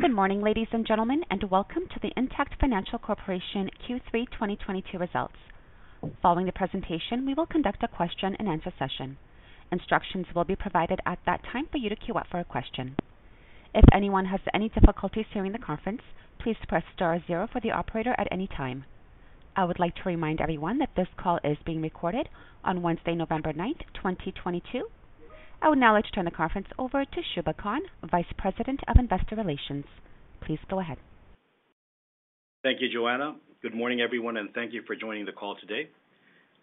Good morning, ladies and gentlemen, and welcome to the Intact Financial Corporation Q3 2022 Results. Following the presentation, we will conduct a question and answer session. Instructions will be provided at that time for you to queue up for a question. If anyone has any difficulties hearing the conference, please press star zero for the operator at any time. I would like to remind everyone that this call is being recorded on Wednesday, November 9th, 2022. I would now like to turn the conference over to Shubha Khan, Vice President of Investor Relations. Please go ahead. Thank you, Joanna. Good morning, everyone, and thank you for joining the call today.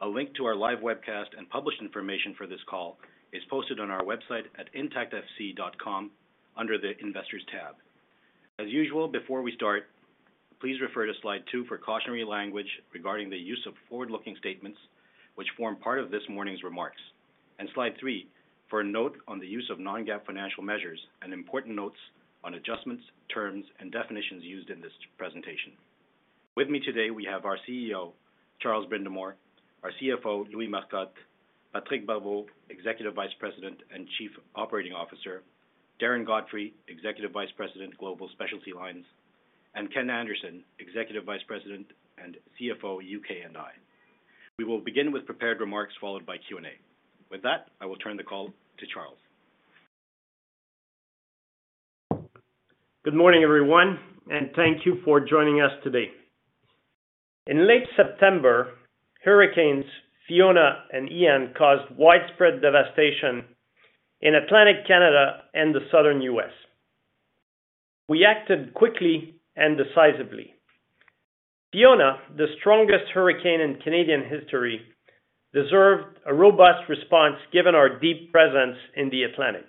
A link to our live webcast and published information for this call is posted on our website at intactfc.com under the Investors tab. As usual, before we start, please refer to slide two for cautionary language regarding the use of forward-looking statements, which form part of this morning's remarks, and slide three for a note on the use of non-GAAP financial measures and important notes on adjustments, terms, and definitions used in this presentation. With me today, we have our CEO, Charles Brindamour, our CFO, Louis Marcotte, Patrick Barbeau, Executive Vice President and Chief Operating Officer, Darren Godfrey, Executive Vice President, Global Specialty Lines, and Ken Anderson, Executive Vice President and CFO, U.K. & I. We will begin with prepared remarks followed by Q&A. With that, I will turn the call to Charles. Good morning, everyone, and thank you for joining us today. In late September, Hurricane Fiona and Hurricane Ian caused widespread devastation in Atlantic Canada and the Southern U.S. We acted quickly and decisively. Hurricane Fiona, the strongest hurricane in Canadian history, deserved a robust response given our deep presence in the Atlantic.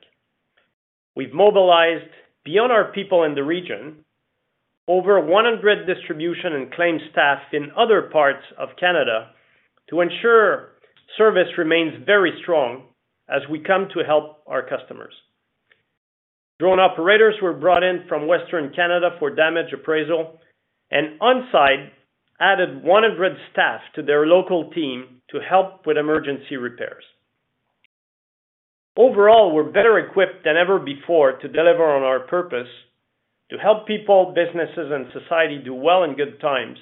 We've mobilized beyond our people in the region over 100 distribution and claim staff in other parts of Canada to ensure service remains very strong as we come to help our customers. Drone operators were brought in from Western Canada for damage appraisal, and On Side added 100 staff to their local team to help with emergency repairs. Overall, we're better equipped than ever before to deliver on our purpose to help people, businesses, and society do well in good times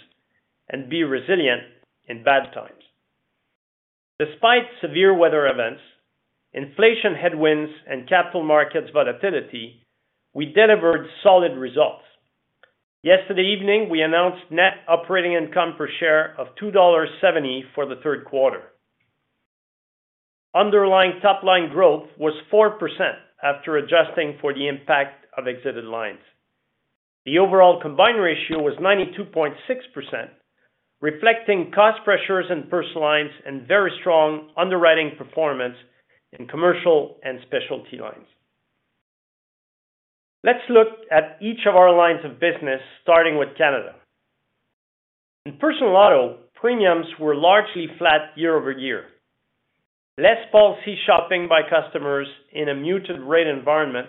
and be resilient in bad times. Despite severe weather events, inflation headwinds, and capital markets volatility, we delivered solid results. Yesterday evening, we announced net operating income per share of 2.70 dollars for the third quarter. Underlying top-line growth was 4% after adjusting for the impact of exited lines. The overall combined ratio was 92.6%, reflecting cost pressures in Personal Lines and very strong underwriting performance in Commercial and Specialty Lines. Let's look at each of our lines of business, starting with Canada. In Personal auto, premiums were largely flat year-over-year. Less policy shopping by customers in a muted rate environment,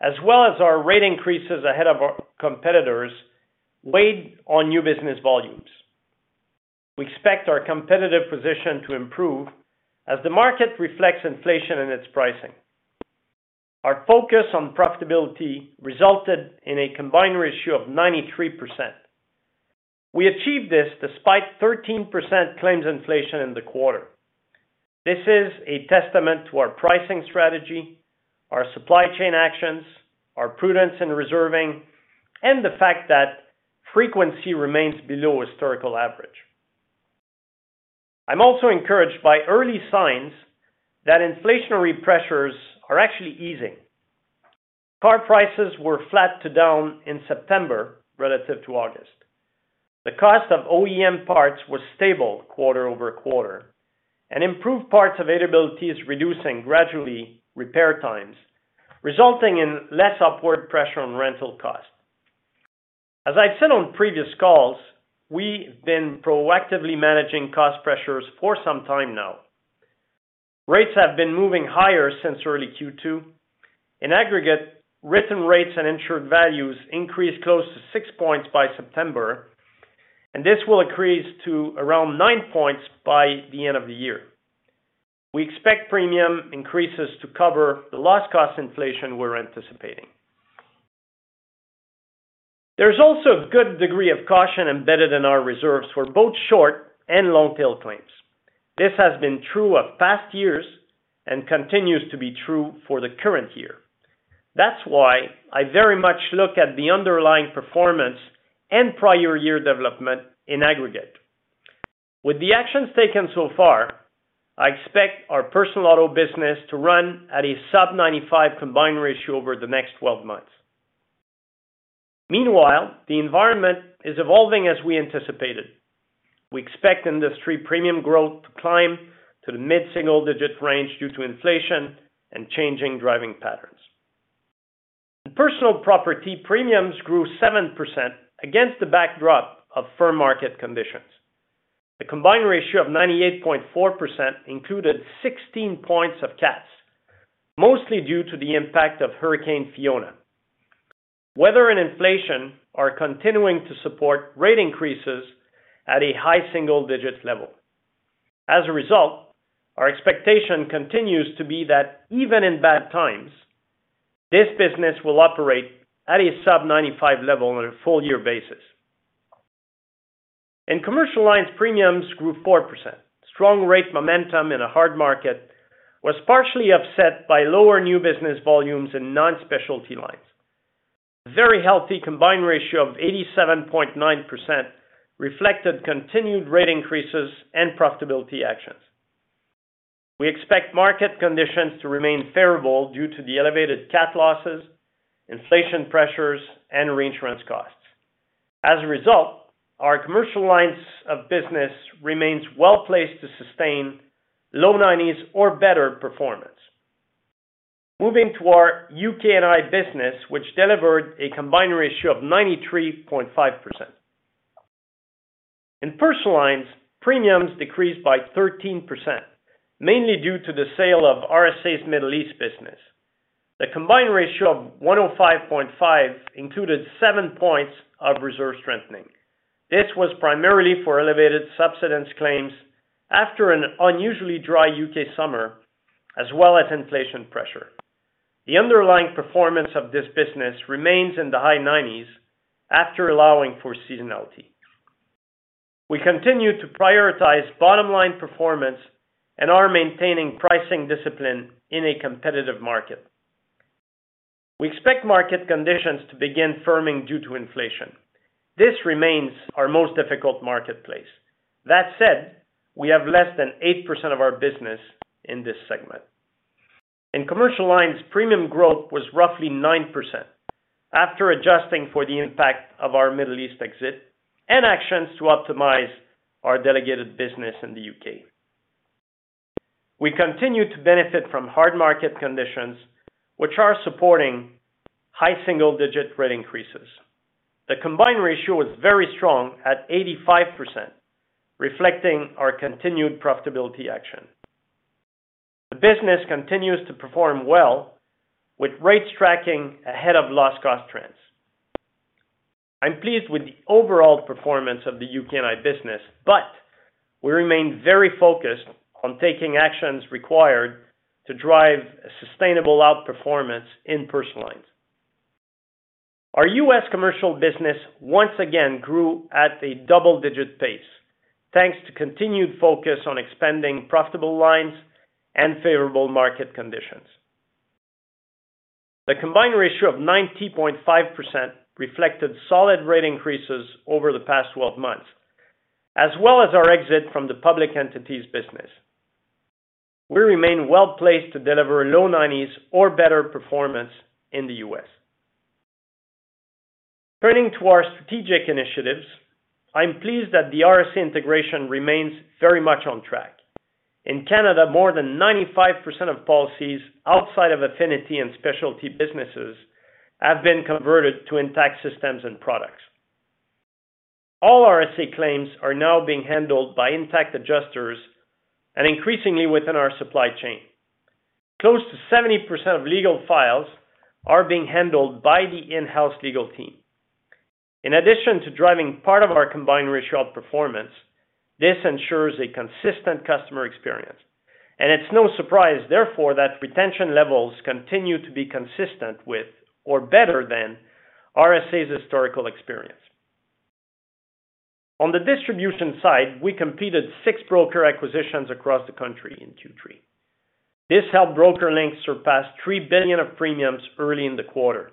as well as our rate increases ahead of our competitors, weighed on new business volumes. We expect our competitive position to improve as the market reflects inflation in its pricing. Our focus on profitability resulted in a combined ratio of 93%. We achieved this despite 13% claims inflation in the quarter. This is a testament to our pricing strategy, our supply chain actions, our prudence in reserving, and the fact that frequency remains below historical average. I'm also encouraged by early signs that inflationary pressures are actually easing. Car prices were flat to down in September relative to August. The cost of OEM parts was stable quarter over quarter, and improved parts availability is reducing gradually repair times, resulting in less upward pressure on rental costs. As I've said on previous calls, we've been proactively managing cost pressures for some time now. Rates have been moving higher since early Q2. In aggregate, written rates and insured values increased close to 6 points by September, and this will increase to around 9 points by the end of the year. We expect premium increases to cover the cost inflation we're anticipating. There's also a good degree of caution embedded in our reserves for both short and long-tail claims. This has been true of past years and continues to be true for the current year. That's why I very much look at the underlying performance and prior year development in aggregate. With the actions taken so far, I expect our Personal auto business to run at a sub-95 combined ratio over the next 12 months. Meanwhile, the environment is evolving as we anticipated. We expect industry premium growth to climb to the mid-single-digit range due to inflation and changing driving patterns. Personal property premiums grew 7% against the backdrop of firm market conditions. The combined ratio of 98.4% included 16 points of cats, mostly due to the impact of Hurricane Fiona. Weather and inflation are continuing to support rate increases at a high single-digit level. As a result, our expectation continues to be that even in bad times, this business will operate at a sub-95 level on a full year basis. In Commercial Lines, premiums grew 4%. Strong rate momentum in a hard market was partially upset by lower new business volumes in non-Specialty Lines. Very healthy combined ratio of 87.9% reflected continued rate increases and profitability actions. We expect market conditions to remain favorable due to the elevated cat losses, inflation pressures, and reinsurance costs. As a result, our Commercial Lines of business remains well-placed to sustain low 90s or better performance. Moving to our U.K. & I business, which delivered a combined ratio of 93.5%. In Personal Lines, premiums decreased by 13%, mainly due to the sale of RSA's Middle East business. The combined ratio of 105.5 included 7 points of reserve strengthening. This was primarily for elevated subsidence claims after an unusually dry U.K. summer, as well as inflation pressure. The underlying performance of this business remains in the high 90s after allowing for seasonality. We continue to prioritize bottom-line performance and are maintaining pricing discipline in a competitive market. We expect market conditions to begin firming due to inflation. This remains our most difficult marketplace. That said, we have less than 8% of our business in this segment. In Commercial Lines, premium growth was roughly 9% after adjusting for the impact of our Middle East exit and actions to optimize our delegated business in the U.K. We continue to benefit from hard market conditions, which are supporting high single-digit rate increases. The combined ratio was very strong at 85%, reflecting our continued profitability action. The business continues to perform well with rates tracking ahead of loss cost trends. I'm pleased with the overall performance of the U.K. & I business, but we remain very focused on taking actions required to drive a sustainable outperformance in Personal Lines. Our U.S. Commercial business once again grew at a double-digit pace, thanks to continued focus on expanding profitable lines and favorable market conditions. The combined ratio of 90.5% reflected solid rate increases over the past 12 months, as well as our exit from the public entities business. We remain well-placed to deliver low 90s or better performance in the U.S. Turning to our strategic initiatives, I'm pleased that the RSA integration remains very much on track. In Canada, more than 95% of policies outside of affinity and specialty businesses have been converted to Intact systems and products. All RSA claims are now being handled by Intact adjusters and increasingly within our supply chain. Close to 70% of legal files are being handled by the in-house legal team. In addition to driving part of our combined ratio performance, this ensures a consistent customer experience, and it's no surprise, therefore, that retention levels continue to be consistent with or better than RSA's historical experience. On the distribution side, we completed six broker acquisitions across the country in Q3. This helped BrokerLink surpass 3 billion of premiums early in the quarter.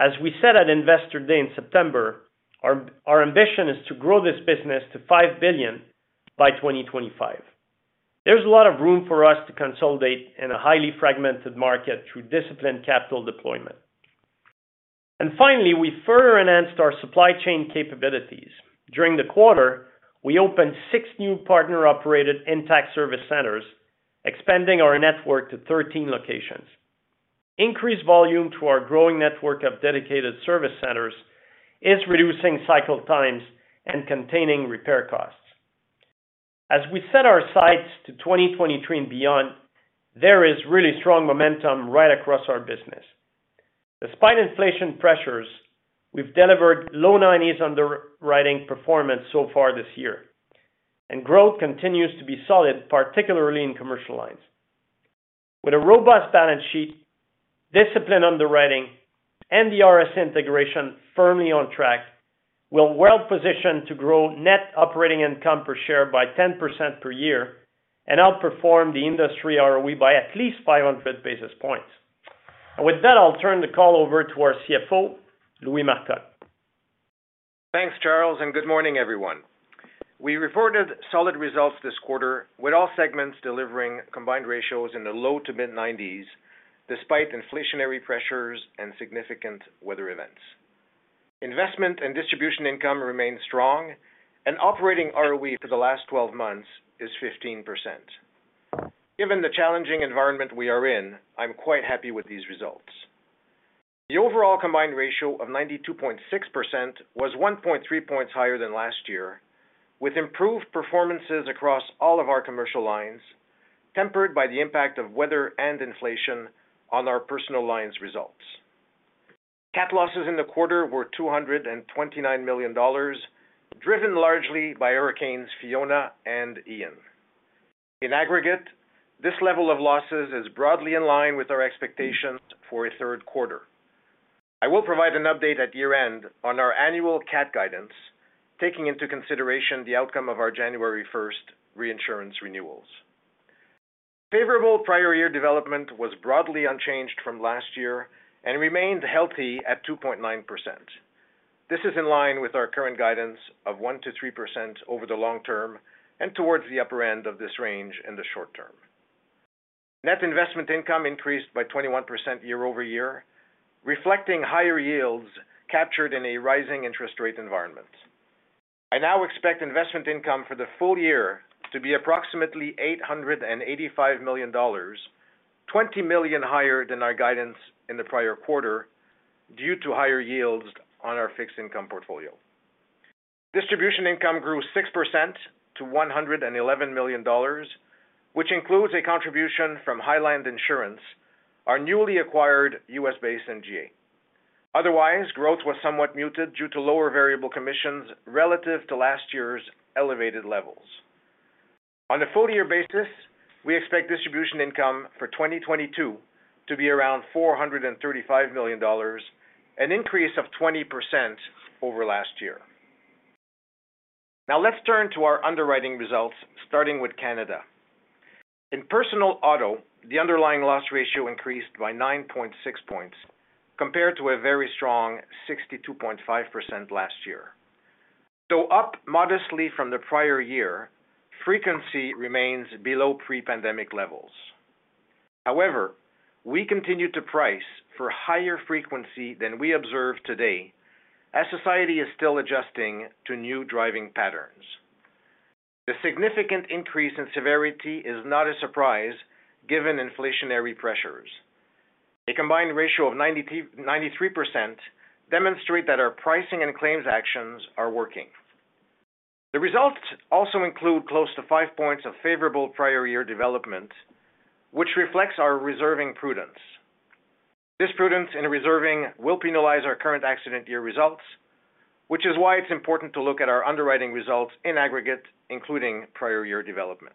As we said at Investor Day in September, our ambition is to grow this business to 5 billion by 2025. There's a lot of room for us to consolidate in a highly fragmented market through disciplined capital deployment. Finally, we further enhanced our supply chain capabilities. During the quarter, we opened six new partner-operated Intact Service Centers, expanding our network to 13 locations. Increased volume to our growing network of dedicated service centers is reducing cycle times and containing repair costs. As we set our sights to 2023 and beyond, there is really strong momentum right across our business. Despite inflation pressures, we've delivered low-90s underwriting performance so far this year, and growth continues to be solid, particularly in Commercial Lines. With a robust balance sheet, disciplined underwriting, and the RSA integration firmly on track, we're well-positioned to grow net operating income per share by 10% per year and outperform the industry ROE by at least 500 basis points. With that, I'll turn the call over to our CFO, Louis Marcotte. Thanks, Charles, and good morning, everyone. We reported solid results this quarter with all segments delivering combined ratios in the low- to mid-90s despite inflationary pressures and significant weather events. Investment and distribution income remain strong and operating ROE for the last 12 months is 15%. Given the challenging environment we are in, I'm quite happy with these results. The overall combined ratio of 92.6% was 1.3 points higher than last year, with improved performances across all of our Commercial Lines, tempered by the impact of weather and inflation on our Personal Lines results. Cat losses in the quarter were 229 million dollars, driven largely by Hurricane Fiona and Hurricane Ian. In aggregate, this level of losses is broadly in line with our expectations for a third quarter. I will provide an update at year-end on our annual cat guidance, taking into consideration the outcome of our January first reinsurance renewals. Favorable prior year development was broadly unchanged from last year and remained healthy at 2.9%. This is in line with our current guidance of 1%-3% over the long term and towards the upper end of this range in the short term. Net investment income increased by 21% year-over-year, reflecting higher yields captured in a rising interest rate environment. I now expect investment income for the full year to be approximately 885 million dollars, 20 million higher than our guidance in the prior quarter due to higher yields on our fixed income portfolio. Distribution income grew 6% to 111 million dollars, which includes a contribution from Highland Insurance Solutions, our newly acquired U.S.-based MGA. Otherwise, growth was somewhat muted due to lower variable commissions relative to last year's elevated levels. On a full year basis, we expect distribution income for 2022 to be around 435 million dollars, an increase of 20% over last year. Now let's turn to our underwriting results, starting with Canada. In Personal auto, the underlying loss ratio increased by 9.6 points compared to a very strong 62.5% last year. Though up modestly from the prior year, frequency remains below pre-pandemic levels. However, we continue to price for higher frequency than we observe today as society is still adjusting to new driving patterns. The significant increase in severity is not a surprise given inflationary pressures. A combined ratio of 93% demonstrate that our pricing and claims actions are working. The results also include close to 5 points of favorable prior year development, which reflects our reserving prudence. This prudence in reserving will penalize our current accident year results, which is why it's important to look at our underwriting results in aggregate, including prior year development.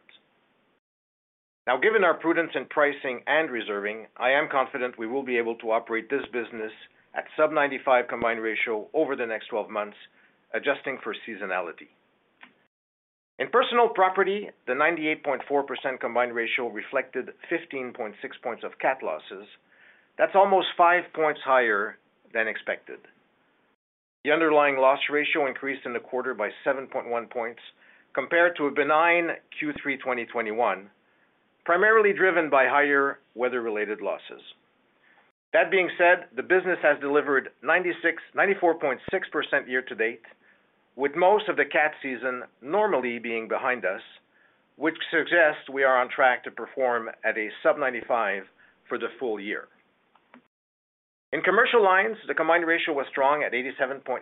Now, given our prudence in pricing and reserving, I am confident we will be able to operate this business at sub 95 combined ratio over the next 12 months, adjusting for seasonality. In Personal property, the 98.4% combined ratio reflected 15.6 points of cat losses. That's almost 5 points higher than expected. The underlying loss ratio increased in the quarter by 7.1 points compared to a benign Q3 2021, primarily driven by higher weather-related losses. That being said, the business has delivered 94.6% year to date, with most of the cat season normally being behind us, which suggests we are on track to perform at a sub-95% for the full year. In Commercial Lines, the combined ratio was strong at 87.9%,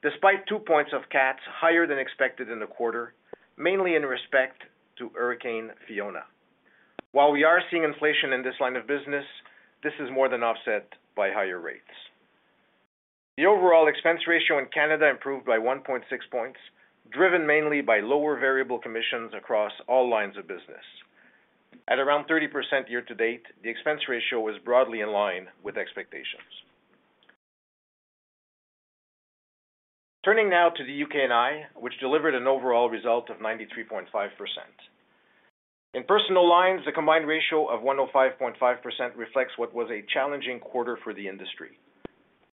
despite 2 points of cats higher than expected in the quarter, mainly in respect to Hurricane Fiona. While we are seeing inflation in this line of business, this is more than offset by higher rates. The overall expense ratio in Canada improved by 1.6 points, driven mainly by lower variable commissions across all lines of business. At around 30% year to date, the expense ratio is broadly in line with expectations. Turning now to the U.K. & I, which delivered an overall result of 93.5%. In Personal Lines, the combined ratio of 105.5% reflects what was a challenging quarter for the industry.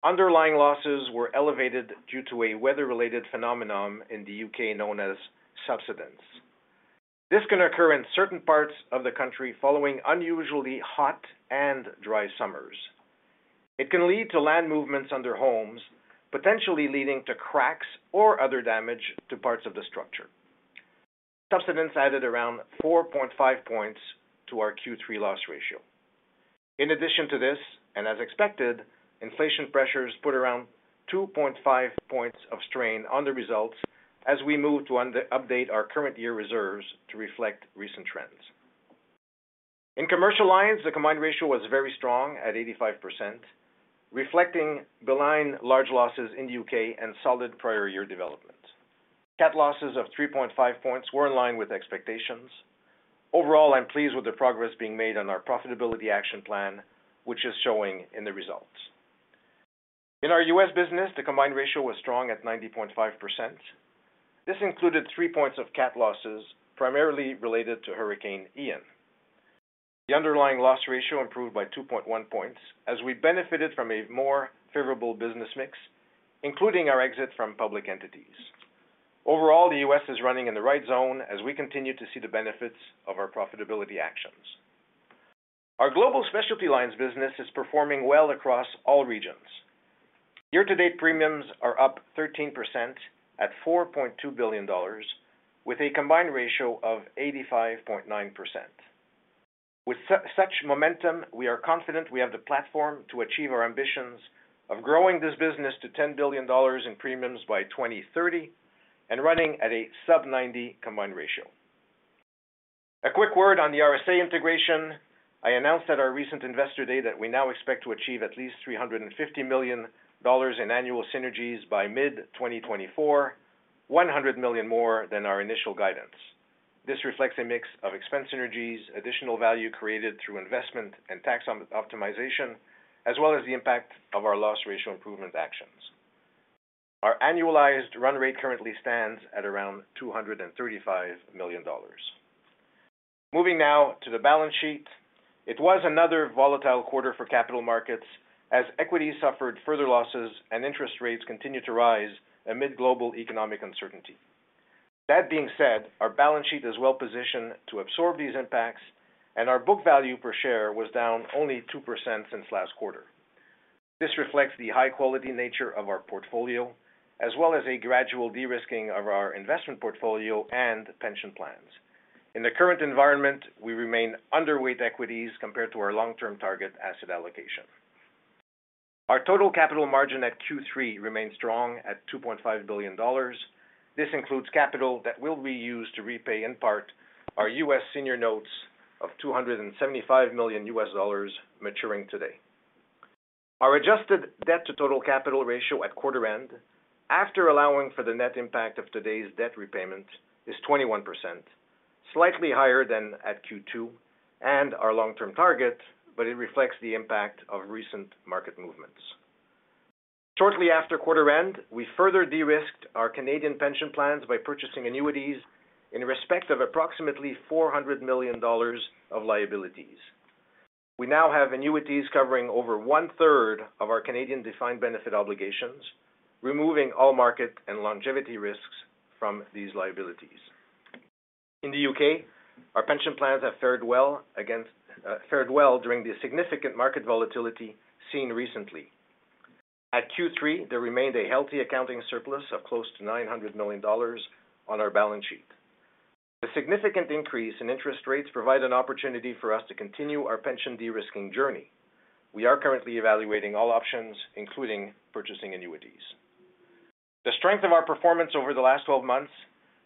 Underlying losses were elevated due to a weather-related phenomenon in the U.K. known as subsidence. This can occur in certain parts of the country following unusually hot and dry summers. It can lead to land movements under homes, potentially leading to cracks or other damage to parts of the structure. Subsidence added around 4.5 points to our Q3 loss ratio. In addition to this, and as expected, inflation pressures put around 2.5 points of strain on the results as we move to update our current year reserves to reflect recent trends. In Commercial Lines, the combined ratio was very strong at 85%, reflecting benign large losses in the U.K. and solid prior year development. Cat losses of 3.5 points were in line with expectations. Overall, I'm pleased with the progress being made on our profitability action plan, which is showing in the results. In our U.S. business, the combined ratio was strong at 90.5%. This included 3 points of cat losses, primarily related to Hurricane Ian. The underlying loss ratio improved by 2.1 points as we benefited from a more favorable business mix, including our exit from public entities. Overall, the U.S. is running in the right zone as we continue to see the benefits of our profitability actions. Our Global Specialty Lines business is performing well across all regions. Year to date, premiums are up 13% at 4.2 billion dollars with a combined ratio of 85.9%. With such momentum, we are confident we have the platform to achieve our ambitions of growing this business to 10 billion dollars in premiums by 2030 and running at a sub 90 combined ratio. A quick word on the RSA integration. I announced at our recent Investor Day that we now expect to achieve at least 350 million dollars in annual synergies by mid 2024, 100 million more than our initial guidance. This reflects a mix of expense synergies, additional value created through investment and tax optimization, as well as the impact of our loss ratio improvement actions. Our annualized run rate currently stands at around 235 million dollars. Moving now to the balance sheet. It was another volatile quarter for capital markets as equity suffered further losses and interest rates continued to rise amid global economic uncertainty. That being said, our balance sheet is well positioned to absorb these impacts, and our book value per share was down only 2% since last quarter. This reflects the high-quality nature of our portfolio, as well as a gradual de-risking of our investment portfolio and pension plans. In the current environment, we remain underweight equities compared to our long-term target asset allocation. Our total capital margin at Q3 remains strong at 2.5 billion dollars. This includes capital that will be used to repay, in part, our U.S. senior notes of $275 million maturing today. Our adjusted debt to total capital ratio at quarter end, after allowing for the net impact of today's debt repayment, is 21%, slightly higher than at Q2 and our long-term target, but it reflects the impact of recent market movements. Shortly after quarter end, we further de-risked our Canadian pension plans by purchasing annuities in respect of approximately 400 million dollars of liabilities. We now have annuities covering over one-third of our Canadian defined benefit obligations, removing all market and longevity risks from these liabilities. In the U.K., our pension plans have fared well during the significant market volatility seen recently. At Q3, there remained a healthy accounting surplus of close to 900 million dollars on our balance sheet. The significant increase in interest rates provide an opportunity for us to continue our pension de-risking journey. We are currently evaluating all options, including purchasing annuities. The strength of our performance over the last 12 months,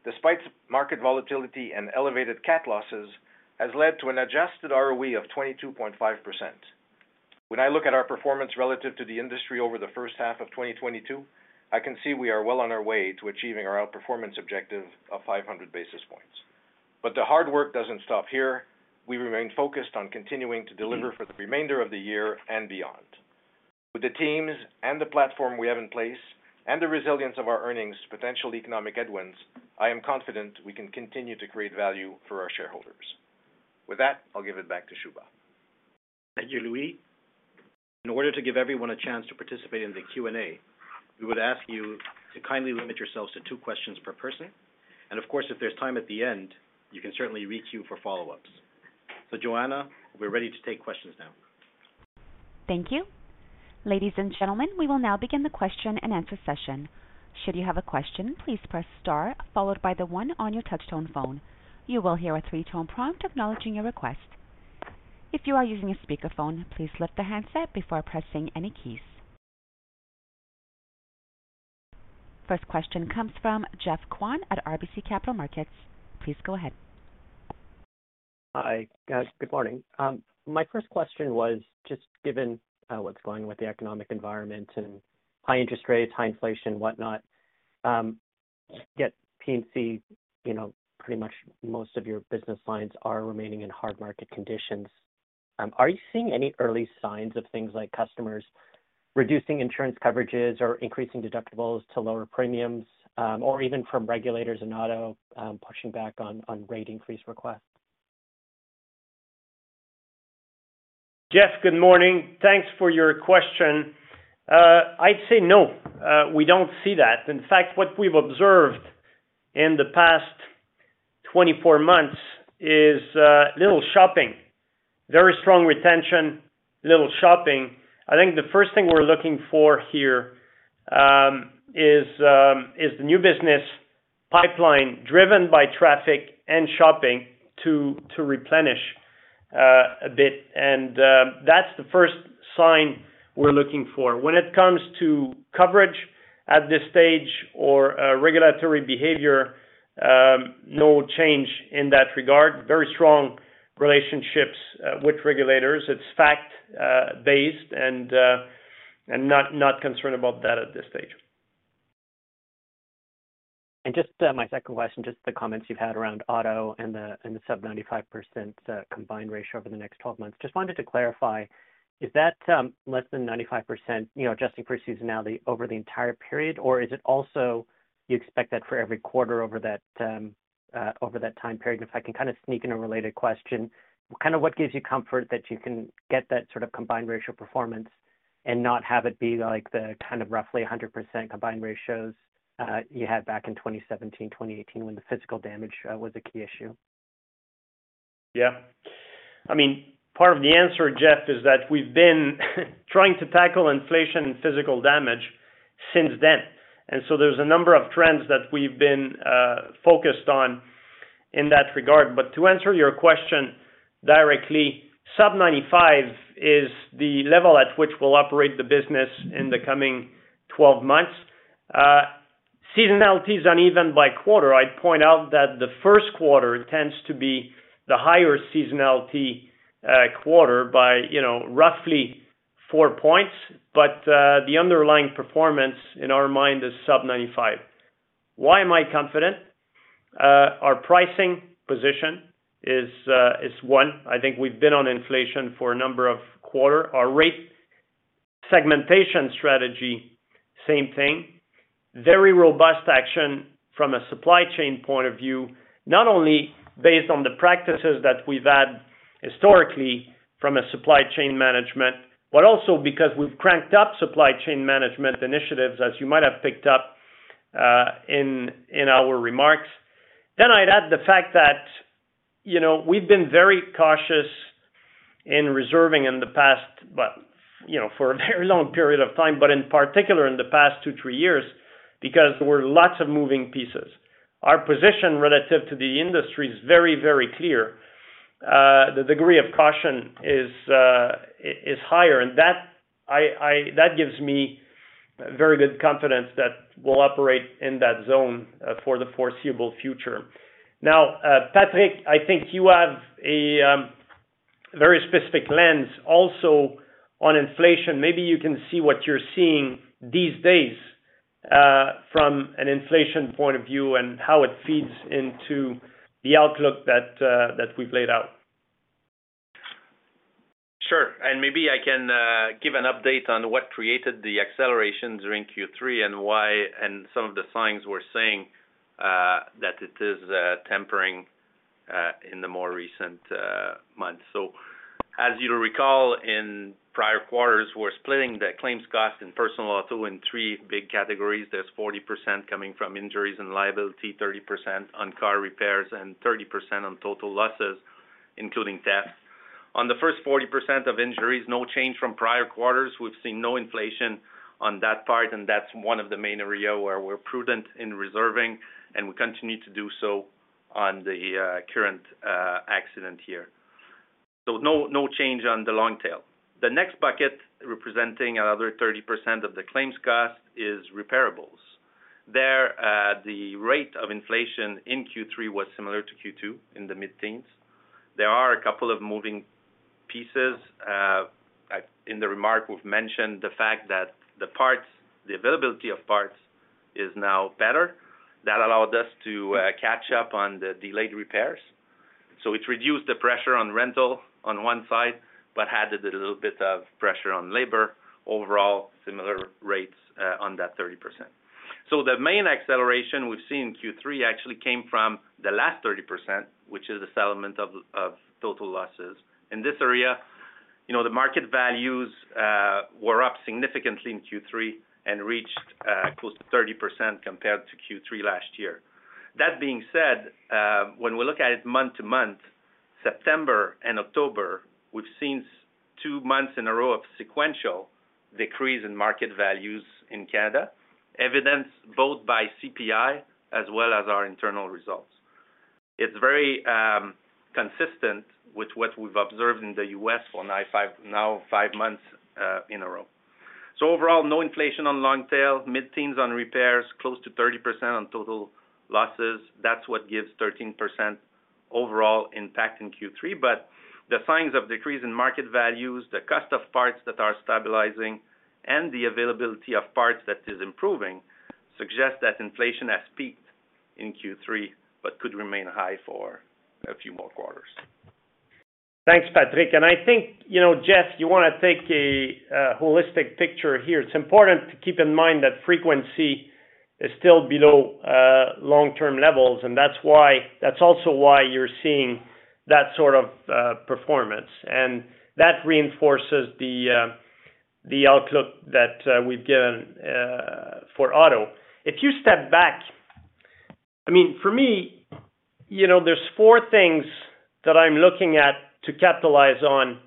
despite market volatility and elevated cat losses, has led to an adjusted ROE of 22.5%. When I look at our performance relative to the industry over the first half of 2022, I can see we are well on our way to achieving our outperformance objective of 500 basis points. The hard work doesn't stop here. We remain focused on continuing to deliver for the remainder of the year and beyond. With the teams and the platform we have in place and the resilience of our earnings potential economic headwinds, I am confident we can continue to create value for our shareholders. With that, I'll give it back to Shubha. Thank you, Louis. In order to give everyone a chance to participate in the Q&A, we would ask you to kindly limit yourselves to two questions per person. Of course, if there's time at the end, you can certainly reach out to us for follow-ups. Joanna, we're ready to take questions now. Thank you. Ladies and gentlemen, we will now begin the question-and-answer session. Should you have a question, please press star followed by the one on your touch tone phone. You will hear a three-tone prompt acknowledging your request. If you are using a speakerphone, please lift the handset before pressing any keys. First question comes from Geoff Kwan at RBC Capital Markets. Please go ahead. Hi, guys. Good morning. My first question was just given, what's going on with the economic environment and high interest rates, high inflation, whatnot, yet P&C, you know, pretty much most of your business lines are remaining in hard market conditions. Are you seeing any early signs of things like customers reducing insurance coverages or increasing deductibles to lower premiums, or even from regulators in auto, pushing back on rate increase requests? Geoff, good morning. Thanks for your question. I'd say no, we don't see that. In fact, what we've observed in the past 24 months is little shopping, very strong retention, little shopping. I think the first thing we're looking for here is the new business pipeline driven by traffic and shopping to replenish a bit. That's the first sign we're looking for. When it comes to coverage at this stage or regulatory behavior, no change in that regard. Very strong relationships with regulators. It's fact-based and not concerned about that at this stage. Just my second question, just the comments you've had around auto and the sub 95% combined ratio over the next 12 months. Just wanted to clarify, is that less than 95%, you know, adjusting for seasonality over the entire period? Or is it also you expect that for every quarter over that time period? If I can kind of sneak in a related question, kind of what gives you comfort that you can get that sort of combined ratio performance and not have it be like the kind of roughly 100% combined ratios you had back in 2017, 2018 when the physical damage was a key issue? Yeah. I mean, part of the answer, Geoff, is that we've been trying to tackle inflation and physical damage since then. There's a number of trends that we've been focused on in that regard. To answer your question directly, sub-95 is the level at which we'll operate the business in the coming 12 months. Seasonality is uneven by quarter. I'd point out that the first quarter tends to be the higher seasonality quarter by, you know, roughly four points. The underlying performance in our mind is sub-95. Why am I confident? Our pricing position is one. I think we've been on inflation for a number of quarters. Our rate segmentation strategy, same thing. Very robust action from a supply chain point of view, not only based on the practices that we've had historically from a supply chain management, but also because we've cranked up supply chain management initiatives, as you might have picked up in our remarks. I'd add the fact that, you know, we've been very cautious in reserving in the past, but, you know, for a very long period of time, but in particular in the past two, three years, because there were lots of moving pieces. Our position relative to the industry is very, very clear. The degree of caution is higher. That gives me very good confidence that we'll operate in that zone for the foreseeable future. Now, Patrick, I think you have a very specific lens also on inflation. Maybe you can say what you're seeing these days from an inflation point of view and how it feeds into the outlook that we've laid out. Sure. Maybe I can give an update on what created the acceleration during Q3 and why, and some of the signs we're seeing that it is tempering in the more recent months. As you recall, in prior quarters, we're splitting the claims cost in Personal auto in three big categories. There's 40% coming from injuries and liability, 30% on car repairs, and 30% on total losses, including deaths. On the first 40% of injuries, no change from prior quarters. We've seen no inflation on that part, and that's one of the main area where we're prudent in reserving, and we continue to do so on the current accident here. No change on the long tail. The next bucket representing another 30% of the claims cost is repairables. The rate of inflation in Q3 was similar to Q2, in the mid-teens. There are a couple of moving pieces. In the remark, we've mentioned the fact that the parts, the availability of parts is now better. That allowed us to catch up on the delayed repairs. It reduced the pressure on rental on one side, but added a little bit of pressure on labor. Overall, similar rates on that 30%. The main acceleration we've seen in Q3 actually came from the last 30%, which is the settlement of total losses. In this area, you know, the market values were up significantly in Q3 and reached close to 30% compared to Q3 last year. That being said, when we look at it month-to-month, September and October, we've seen two months in a row of sequential decrease in market values in Canada, evidenced both by CPI as well as our internal results. It's very consistent with what we've observed in the U.S. for five months in a row. Overall, no inflation on long tail, mid-teens on repairs, close to 30% on total losses. That's what gives 13% overall impact in Q3. The signs of decrease in market values, the cost of parts that are stabilizing and the availability of parts that is improving suggest that inflation has peaked in Q3, but could remain high for a few more quarters. Thanks, Patrick. I think, you know, Geoff, you wanna take a holistic picture here. It's important to keep in mind that frequency is still below long-term levels, and that's also why you're seeing that sort of performance. That reinforces the outlook that we've given for auto. If you step back, I mean, for me, you know, there's four things that I'm looking at to capitalize on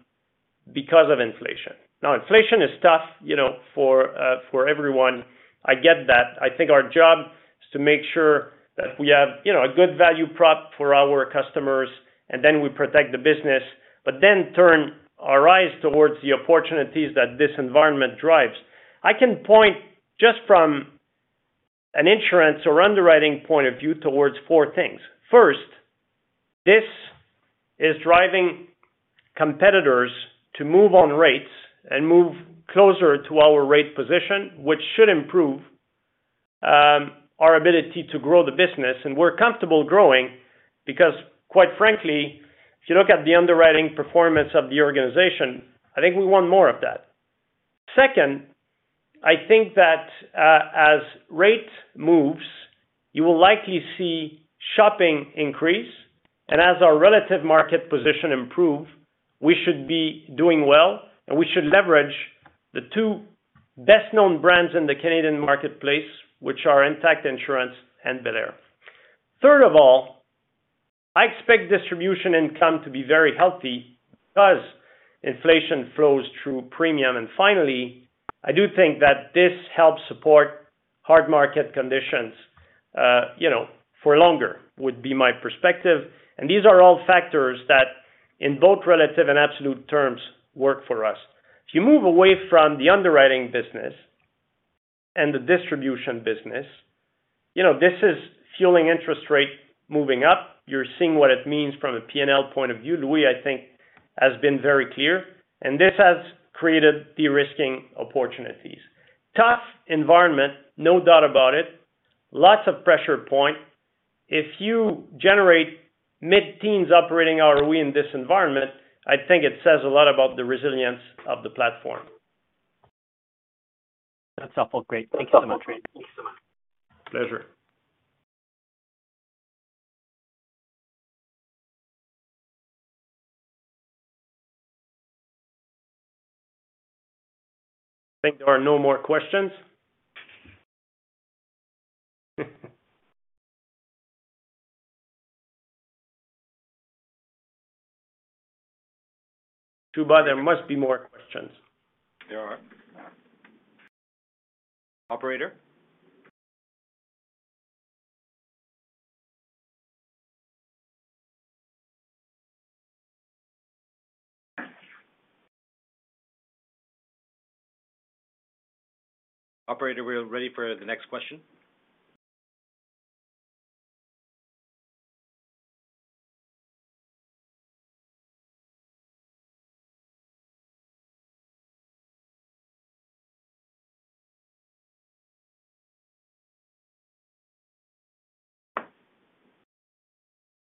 because of inflation. Now, inflation is tough, you know, for everyone. I get that. I think our job is to make sure that we have, you know, a good value prop for our customers, and then we protect the business, but then turn our eyes towards the opportunities that this environment drives. I can point just from an insurance or underwriting point of view towards four things. First, this is driving competitors to move on rates and move closer to our rate position, which should improve our ability to grow the business. We're comfortable growing because quite frankly, if you look at the underwriting performance of the organization, I think we want more of that. Second, I think that as rate moves, you will likely see shopping increase. As our relative market position improve, we should be doing well, and we should leverage the two best-known brands in the Canadian marketplace, which are Intact Insurance and belairdirect. Third of all, I expect distribution income to be very healthy because inflation flows through premium. Finally, I do think that this helps support hard market conditions. You know, for longer would be my perspective. These are all factors that in both relative and absolute terms work for us. If you move away from the underwriting business and the distribution business, you know, this is fueling interest rates moving up. You're seeing what it means from a P&L point of view. Louis, I think, has been very clear, and this has created de-risking opportunities. Tough environment, no doubt about it. Lots of pressure points. If you generate mid-teens operating ROE in this environment, I think it says a lot about the resilience of the platform. That's helpful. Great. Thank you so much. Pleasure. I think there are no more questions. Shubha, there must be more questions. There are. Operator? Operator, we're ready for the next question.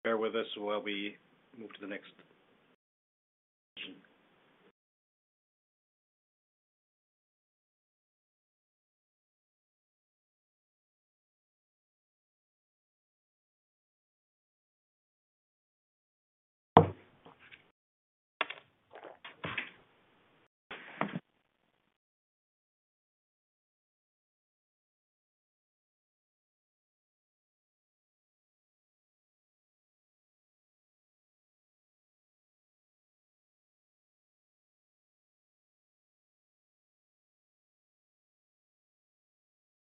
Bear with us while we move to the next.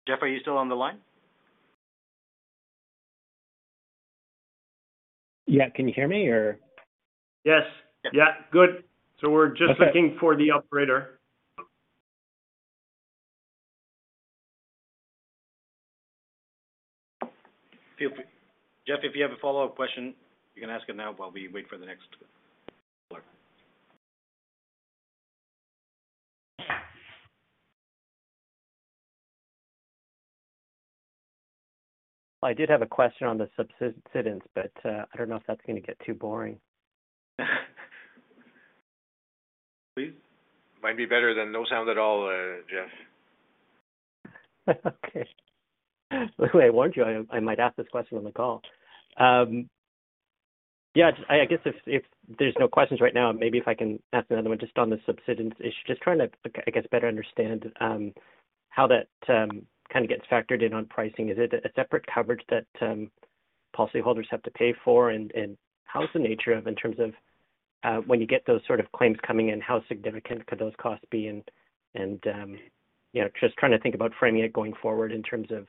Geoff, are you still on the line? Yeah. Can you hear me or? Yes. Yeah, good. Okay. We're just looking for the operator. Geoff, if you have a follow-up question, you can ask it now while we wait for the next caller. I did have a question on the subsidence, but I don't know if that's gonna get too boring. Please. Might be better than no sound at all, Geoff. Okay. By the way, I warned you I might ask this question on the call. Yeah, I guess if there's no questions right now, maybe if I can ask another one just on the subsidence issue. Just trying to, I guess, better understand how that kind of gets factored in on pricing. Is it a separate coverage that policyholders have to pay for? And how's the nature of in terms of when you get those sort of claims coming in, how significant could those costs be? And, you know, just trying to think about framing it going forward in terms of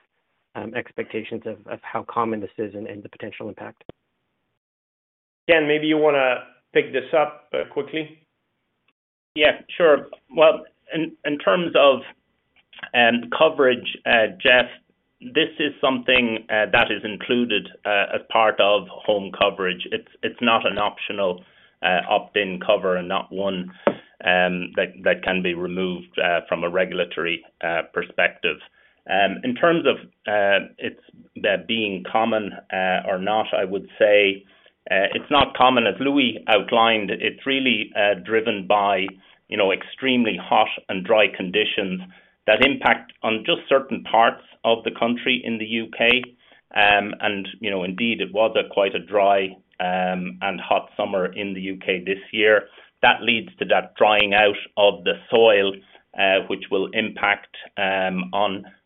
expectations of how common this is and the potential impact. Ken, maybe you wanna pick this up, quickly. Yeah, sure. Well, in terms of coverage, Geoff, this is something that is included as part of home coverage. It's not an optional opt-in cover and not one that can be removed from a regulatory perspective. In terms of that being common or not, I would say it's not common. As Louis outlined, it's really driven by you know, extremely hot and dry conditions that impact on just certain parts of the country in the U.K. You know, indeed, it was quite a dry and hot summer in the U.K. this year. That leads to that drying out of the soil which will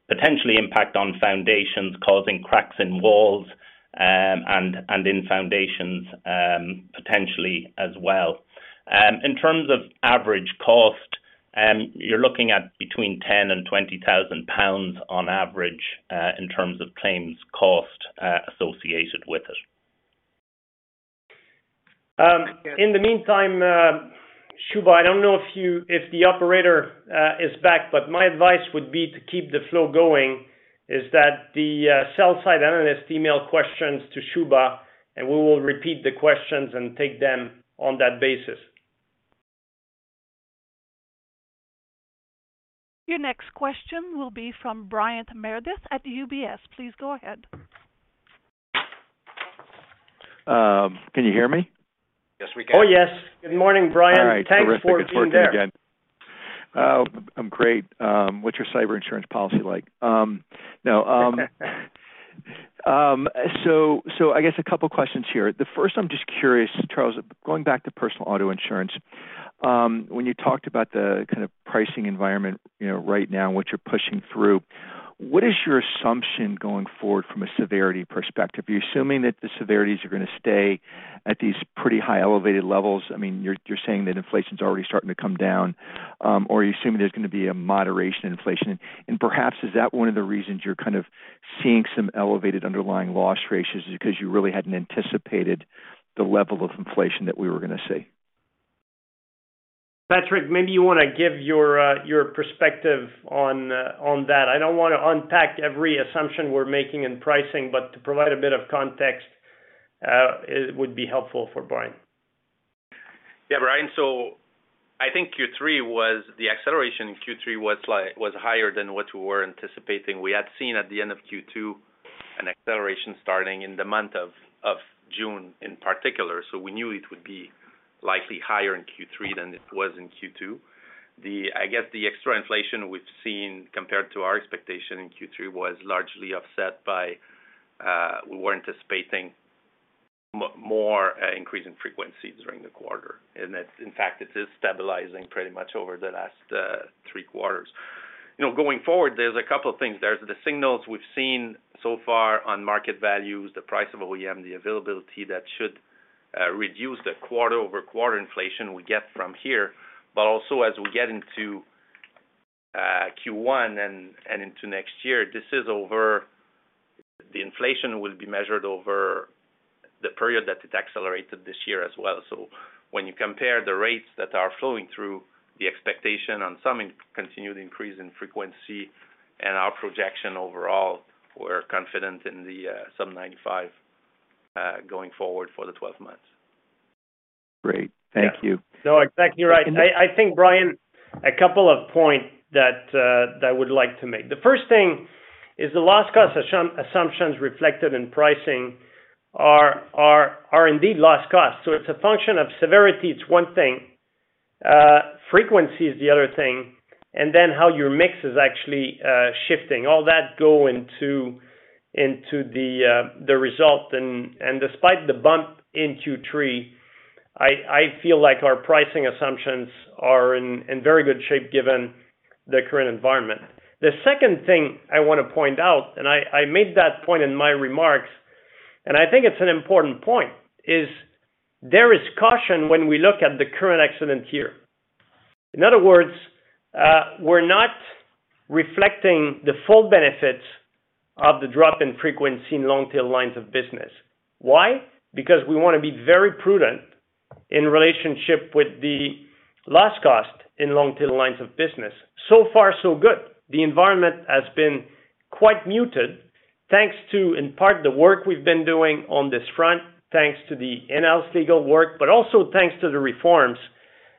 potentially impact on foundations, causing cracks in walls and in foundations potentially as well. In terms of average cost, you're looking at between 10,000 and 20,000 pounds on average, in terms of claims cost, associated with it. In the meantime, Shubha, I don't know if the operator is back, but my advice would be to keep the flow going, that the sell-side analysts email questions to Shubha, and we will repeat the questions and take them on that basis. Your next question will be from Brian Meredith at UBS. Please go ahead. Can you hear me? Yes, we can. Oh, yes. Good morning, Brian. All right. Terrific. Thanks for being there. It's working again. I'm great. What's your cyber insurance policy like? No. So I guess a couple questions here. The first, I'm just curious, Charles, going back to Personal auto insurance, when you talked about the kind of pricing environment, you know, right now and what you're pushing through, what is your assumption going forward from a severity perspective? Are you assuming that the severities are gonna stay at these pretty high elevated levels? I mean, you're saying that inflation's already starting to come down, or are you assuming there's gonna be a moderation in inflation? Perhaps, is that one of the reasons you're kind of seeing some elevated underlying loss ratios is because you really hadn't anticipated the level of inflation that we were going to see. Patrick, maybe you want to give your perspective on that. I don't want to unpack every assumption we're making in pricing, but to provide a bit of context, it would be helpful for Brian. Yeah, Brian. I think the acceleration in Q3 was higher than what we were anticipating. We had seen at the end of Q2 an acceleration starting in the month of June in particular. We knew it would be likely higher in Q3 than it was in Q2. I guess the extra inflation we've seen compared to our expectation in Q3 was largely offset by, we were anticipating more increase in frequency during the quarter. That's in fact it is stabilizing pretty much over the last three quarters. You know, going forward, there's a couple of things. There's the signals we've seen so far on market values, the price of OEM, the availability that should reduce the quarter-over-quarter inflation we get from here. Also as we get into Q1 and into next year, the inflation will be measured over the period that it accelerated this year as well. When you compare the rates that are flowing through the expectation on some continued increase in frequency and our projection overall, we're confident in the some 95% going forward for the 12 months. Great. Thank you. No, exactly right. I think, Brian, a couple of points that I would like to make. The first thing is the loss cost assumptions reflected in pricing are indeed loss costs. So it's a function of severity, it's one thing. Frequency is the other thing, and then how your mix is actually shifting. All that go into the result. Despite the bump in Q3, I feel like our pricing assumptions are in very good shape given the current environment. The second thing I want to point out, I made that point in my remarks, and I think it's an important point, is there is caution when we look at the current accident year here. In other words, we're not reflecting the full benefits of the drop in frequency in long-tail lines of business. Why? Because we want to be very prudent in relation to the loss cost in long-tail lines of business. So far so good. The environment has been quite muted, thanks to, in part, the work we've been doing on this front, thanks to the in-house legal work, but also thanks to the reforms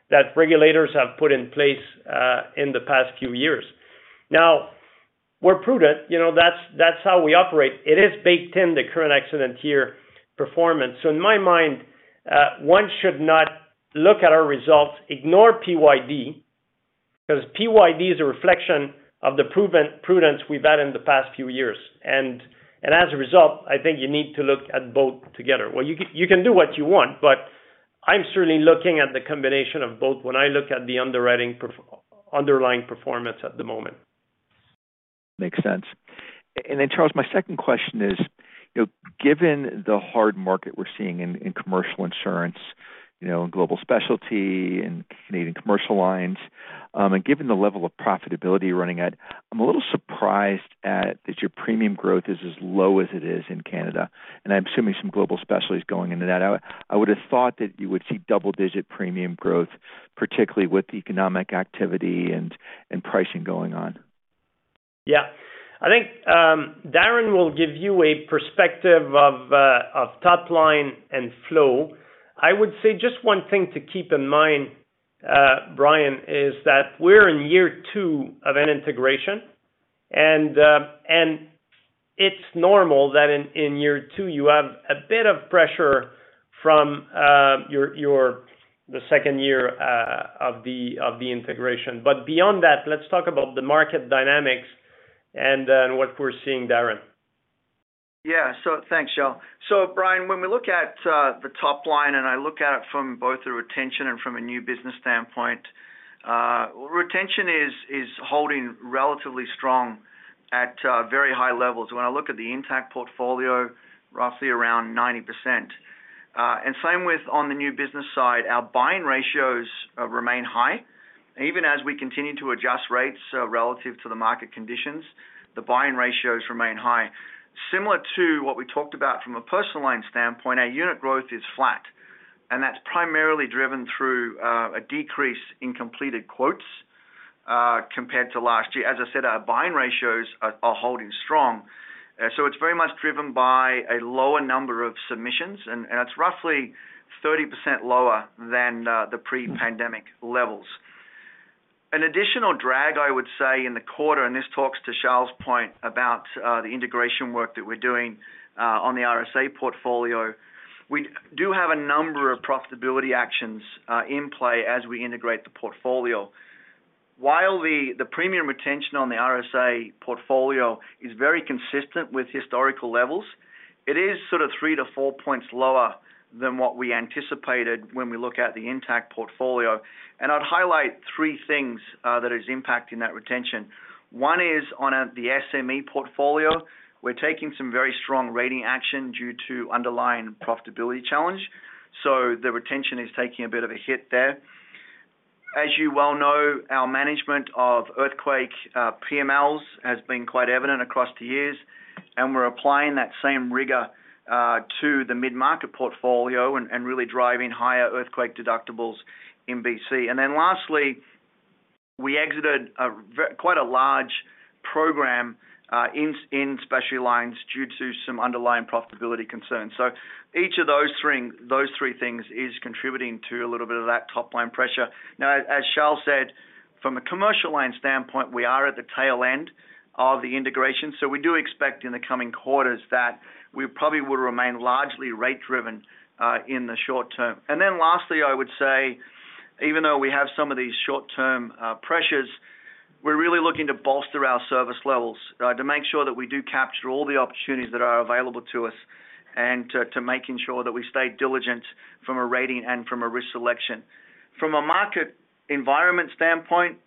that regulators have put in place, in the past few years. Now, we're prudent. You know, that's how we operate. It is baked in the current accident year performance. In my mind, one should not look at our results, ignore PYD, because PYD is a reflection of the proven prudence we've had in the past few years. And as a result, I think you need to look at both together. Well, you can do what you want, but I'm certainly looking at the combination of both when I look at the underlying performance at the moment. Makes sense. Charles, my second question is, you know, given the hard market we're seeing in commercial insurance, you know, in Global Specialty and Canadian Commercial Lines, and given the level of profitability you're running at, I'm a little surprised that your premium growth is as low as it is in Canada. I'm assuming some Global Specialty is going into that. I would have thought that you would see double-digit premium growth, particularly with economic activity and pricing going on. Yeah. I think, Darren will give you a perspective of top line and flow. I would say just one thing to keep in mind, Brian, is that we're in year two of an integration. It's normal that in year two, you have a bit of pressure from the second year of the integration. Beyond that, let's talk about the market dynamics and what we're seeing, Darren. Yeah. Thanks, Charles. Brian, when we look at the top line, and I look at it from both a retention and from a new business standpoint, retention is holding relatively strong at very high levels. When I look at the Intact portfolio, roughly around 90%. Same with on the new business side, our buying ratios remain high. Even as we continue to adjust rates relative to the market conditions, the buying ratios remain high. Similar to what we talked about from a Personal Lines standpoint, our unit growth is flat, and that's primarily driven through a decrease in completed quotes compared to last year. As I said, our buying ratios are holding strong. It's very much driven by a lower number of submissions, and it's roughly 30% lower than the pre-pandemic levels. An additional drag, I would say, in the quarter, and this talks to Charles' point about the integration work that we're doing on the RSA portfolio. We do have a number of profitability actions in play as we integrate the portfolio. While the premium retention on the RSA portfolio is very consistent with historical levels, it is sort of 3-4 points lower than what we anticipated when we look at the Intact portfolio. I'd highlight three things that is impacting that retention. One is on the SME portfolio. We're taking some very strong rating action due to underlying profitability challenge. The retention is taking a bit of a hit there. As you well know, our management of earthquake PMLs has been quite evident across the years, and we're applying that same rigor to the mid-market portfolio and really driving higher earthquake deductibles in BC. Lastly, we exited a very large program in Specialty Lines due to some underlying profitability concerns. Each of those three things is contributing to a little bit of that top line pressure. Now, as Charles said, from a Commercial Lines standpoint, we are at the tail end of the integration. We do expect in the coming quarters that we probably will remain largely rate-driven in the short term. Then lastly, I would say, even though we have some of these short-term pressures, we're really looking to bolster our service levels to make sure that we do capture all the opportunities that are available to us, and to making sure that we stay diligent from a rating and from a risk selection. From a market environment standpoint,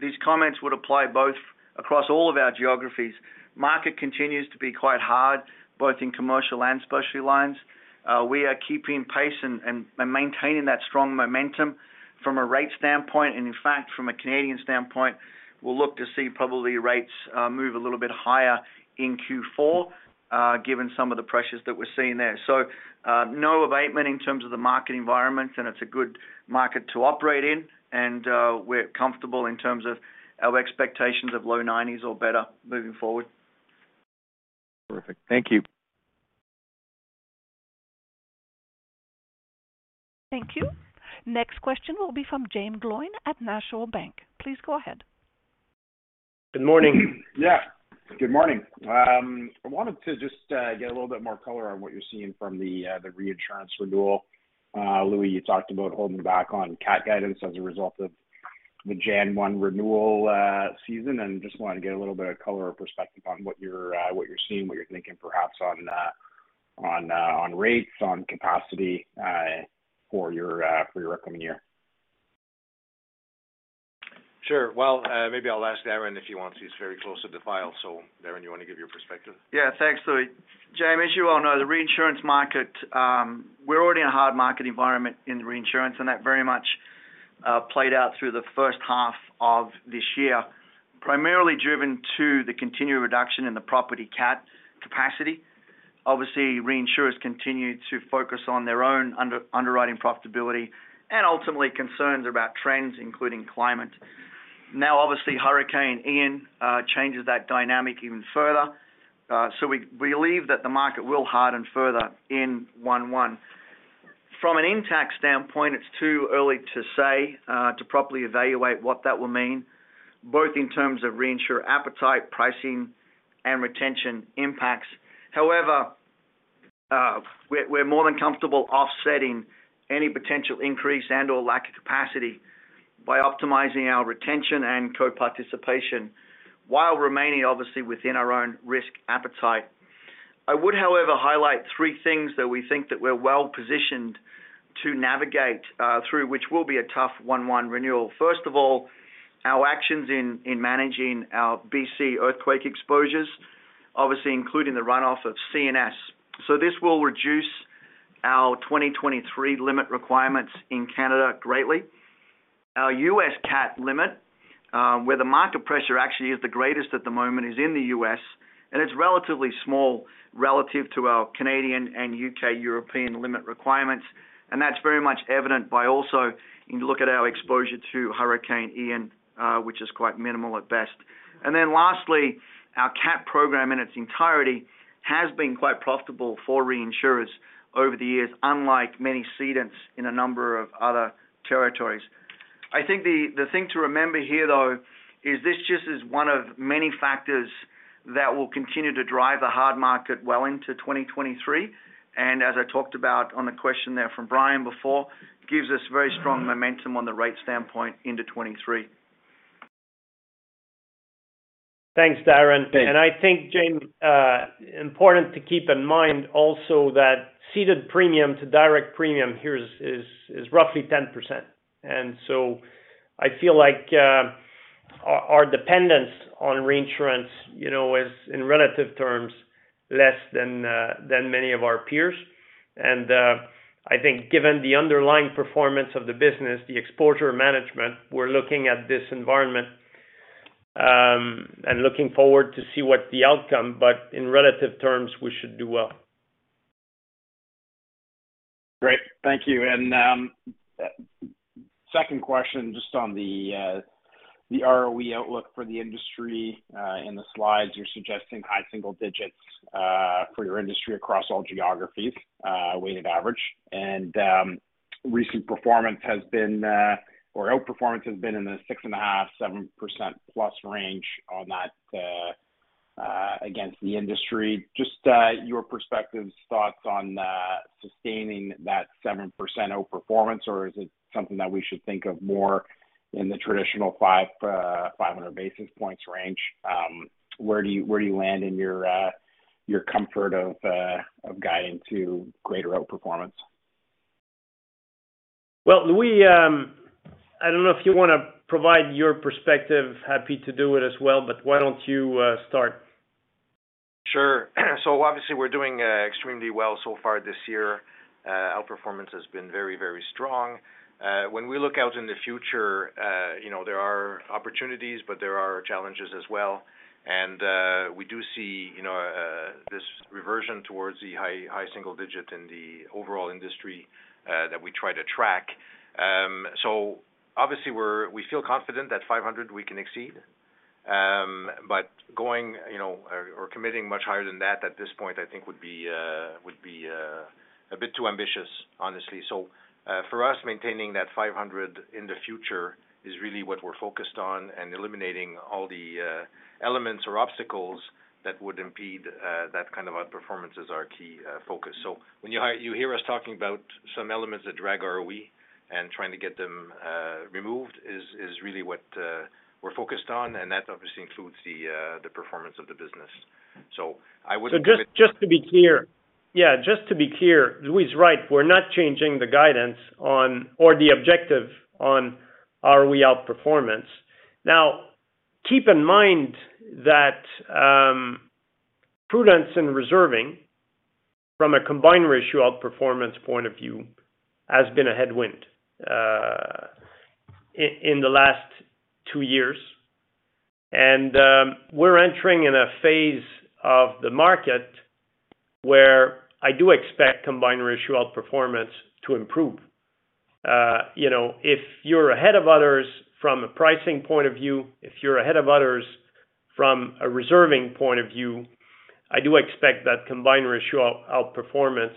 these comments would apply both across all of our geographies. Market continues to be quite hard, both in Commercial and Specialty Lines. We are keeping pace and maintaining that strong momentum from a rate standpoint. In fact, from a Canadian standpoint, we'll look to see probably rates move a little bit higher in Q4, given some of the pressures that we're seeing there. No abatement in terms of the market environment, and it's a good market to operate in. We're comfortable in terms of our expectations of low 90s or better moving forward. Perfect. Thank you. Thank you. Next question will be from Jaeme Gloyn at National Bank. Please go ahead. Good morning. Yeah. Good morning. I wanted to just get a little bit more color on what you're seeing from the reinsurance renewal. Louis, you talked about holding back on CAT guidance as a result of the Jan 1 renewal season, and just wanted to get a little bit of color or perspective on what you're seeing, what you're thinking perhaps on rates, on capacity, for your upcoming year. Sure. Well, maybe I'll ask Darren if he wants to. He's very close to the file. Darren, you wanna give your perspective? Yeah. Thanks, Louis. James, you all know the reinsurance market. We're already in a hard market environment in reinsurance, and that very much played out through the first half of this year, primarily driven to the continued reduction in the property CAT capacity. Obviously, reinsurers continue to focus on their own underwriting profitability and ultimately concerns about trends, including climate. Now, obviously, Hurricane Ian changes that dynamic even further. We believe that the market will harden further in 1/1. From an Intact standpoint, it's too early to say to properly evaluate what that will mean, both in terms of reinsurer appetite, pricing, and retention impacts. However, we're more than comfortable offsetting any potential increase and/or lack of capacity by optimizing our retention and co-participation while remaining, obviously, within our own risk appetite. I would, however, highlight three things that we think that we're well-positioned to navigate through, which will be a tough 1/1 renewal. First of all, our actions in managing our BC earthquake exposures, obviously, including the runoff of CNS. This will reduce our 2023 limit requirements in Canada greatly. Our U.S. CAT limit, where the market pressure actually is the greatest at the moment is in the U.S., and it's relatively small relative to our Canadian and U.K., European limit requirements. That's very much evident by also when you look at our exposure to Hurricane Ian, which is quite minimal at best. Then lastly, our CAT program in its entirety has been quite profitable for reinsurers over the years, unlike many cedents in a number of other territories. I think the thing to remember here, though, is this just is one of many factors that will continue to drive the hard market well into 2023. As I talked about on the question there from Brian before, gives us very strong momentum on the rate standpoint into 2023. Thanks, Darren. Thanks. I think, Jaeme, important to keep in mind also that ceded premium to direct premium here is roughly 10%. I feel like our dependence on reinsurance, you know, is in relative terms less than many of our peers. I think given the underlying performance of the business, the exposure management, we're looking at this environment and looking forward to see what the outcome, but in relative terms, we should do well. Great. Thank you. Second question, just on the ROE outlook for the industry. In the slides, you're suggesting high single digits for your industry across all geographies, weighted average. Recent performance has been, or outperformance has been in the 6.5-7%+ range on that against the industry. Just your perspectives, thoughts on sustaining that 7% outperformance, or is it something that we should think of more in the traditional five hundred basis points range? Where do you land in your comfort of guiding to greater outperformance? Well, Louis, I don't know if you wanna provide your perspective. Happy to do it as well, but why don't you start? Sure. Obviously we're doing extremely well so far this year. Our performance has been very strong. When we look out in the future, you know, there are opportunities, but there are challenges as well. We do see, you know, this reversion towards the high single digit in the overall industry that we try to track. We feel confident that 500 we can exceed. Going, you know, or committing much higher than that at this point, I think would be a bit too ambitious, honestly. For us, maintaining that 500 in the future is really what we're focused on, and eliminating all the elements or obstacles that would impede that kind of outperformance is our key focus. When you hear us talking about some elements that drag ROE and trying to get them removed is really what we're focused on, and that obviously includes the performance of the business. I would Just to be clear, Louis is right. We're not changing the guidance on or the objective on our ROE outperformance. Now, keep in mind that prudence in reserving from a combined ratio outperformance point of view has been a headwind in the last two years. We're entering a phase of the market where I do expect combined ratio outperformance to improve. You know, if you're ahead of others from a pricing point of view, if you're ahead of others from a reserving point of view, I do expect that combined ratio outperformance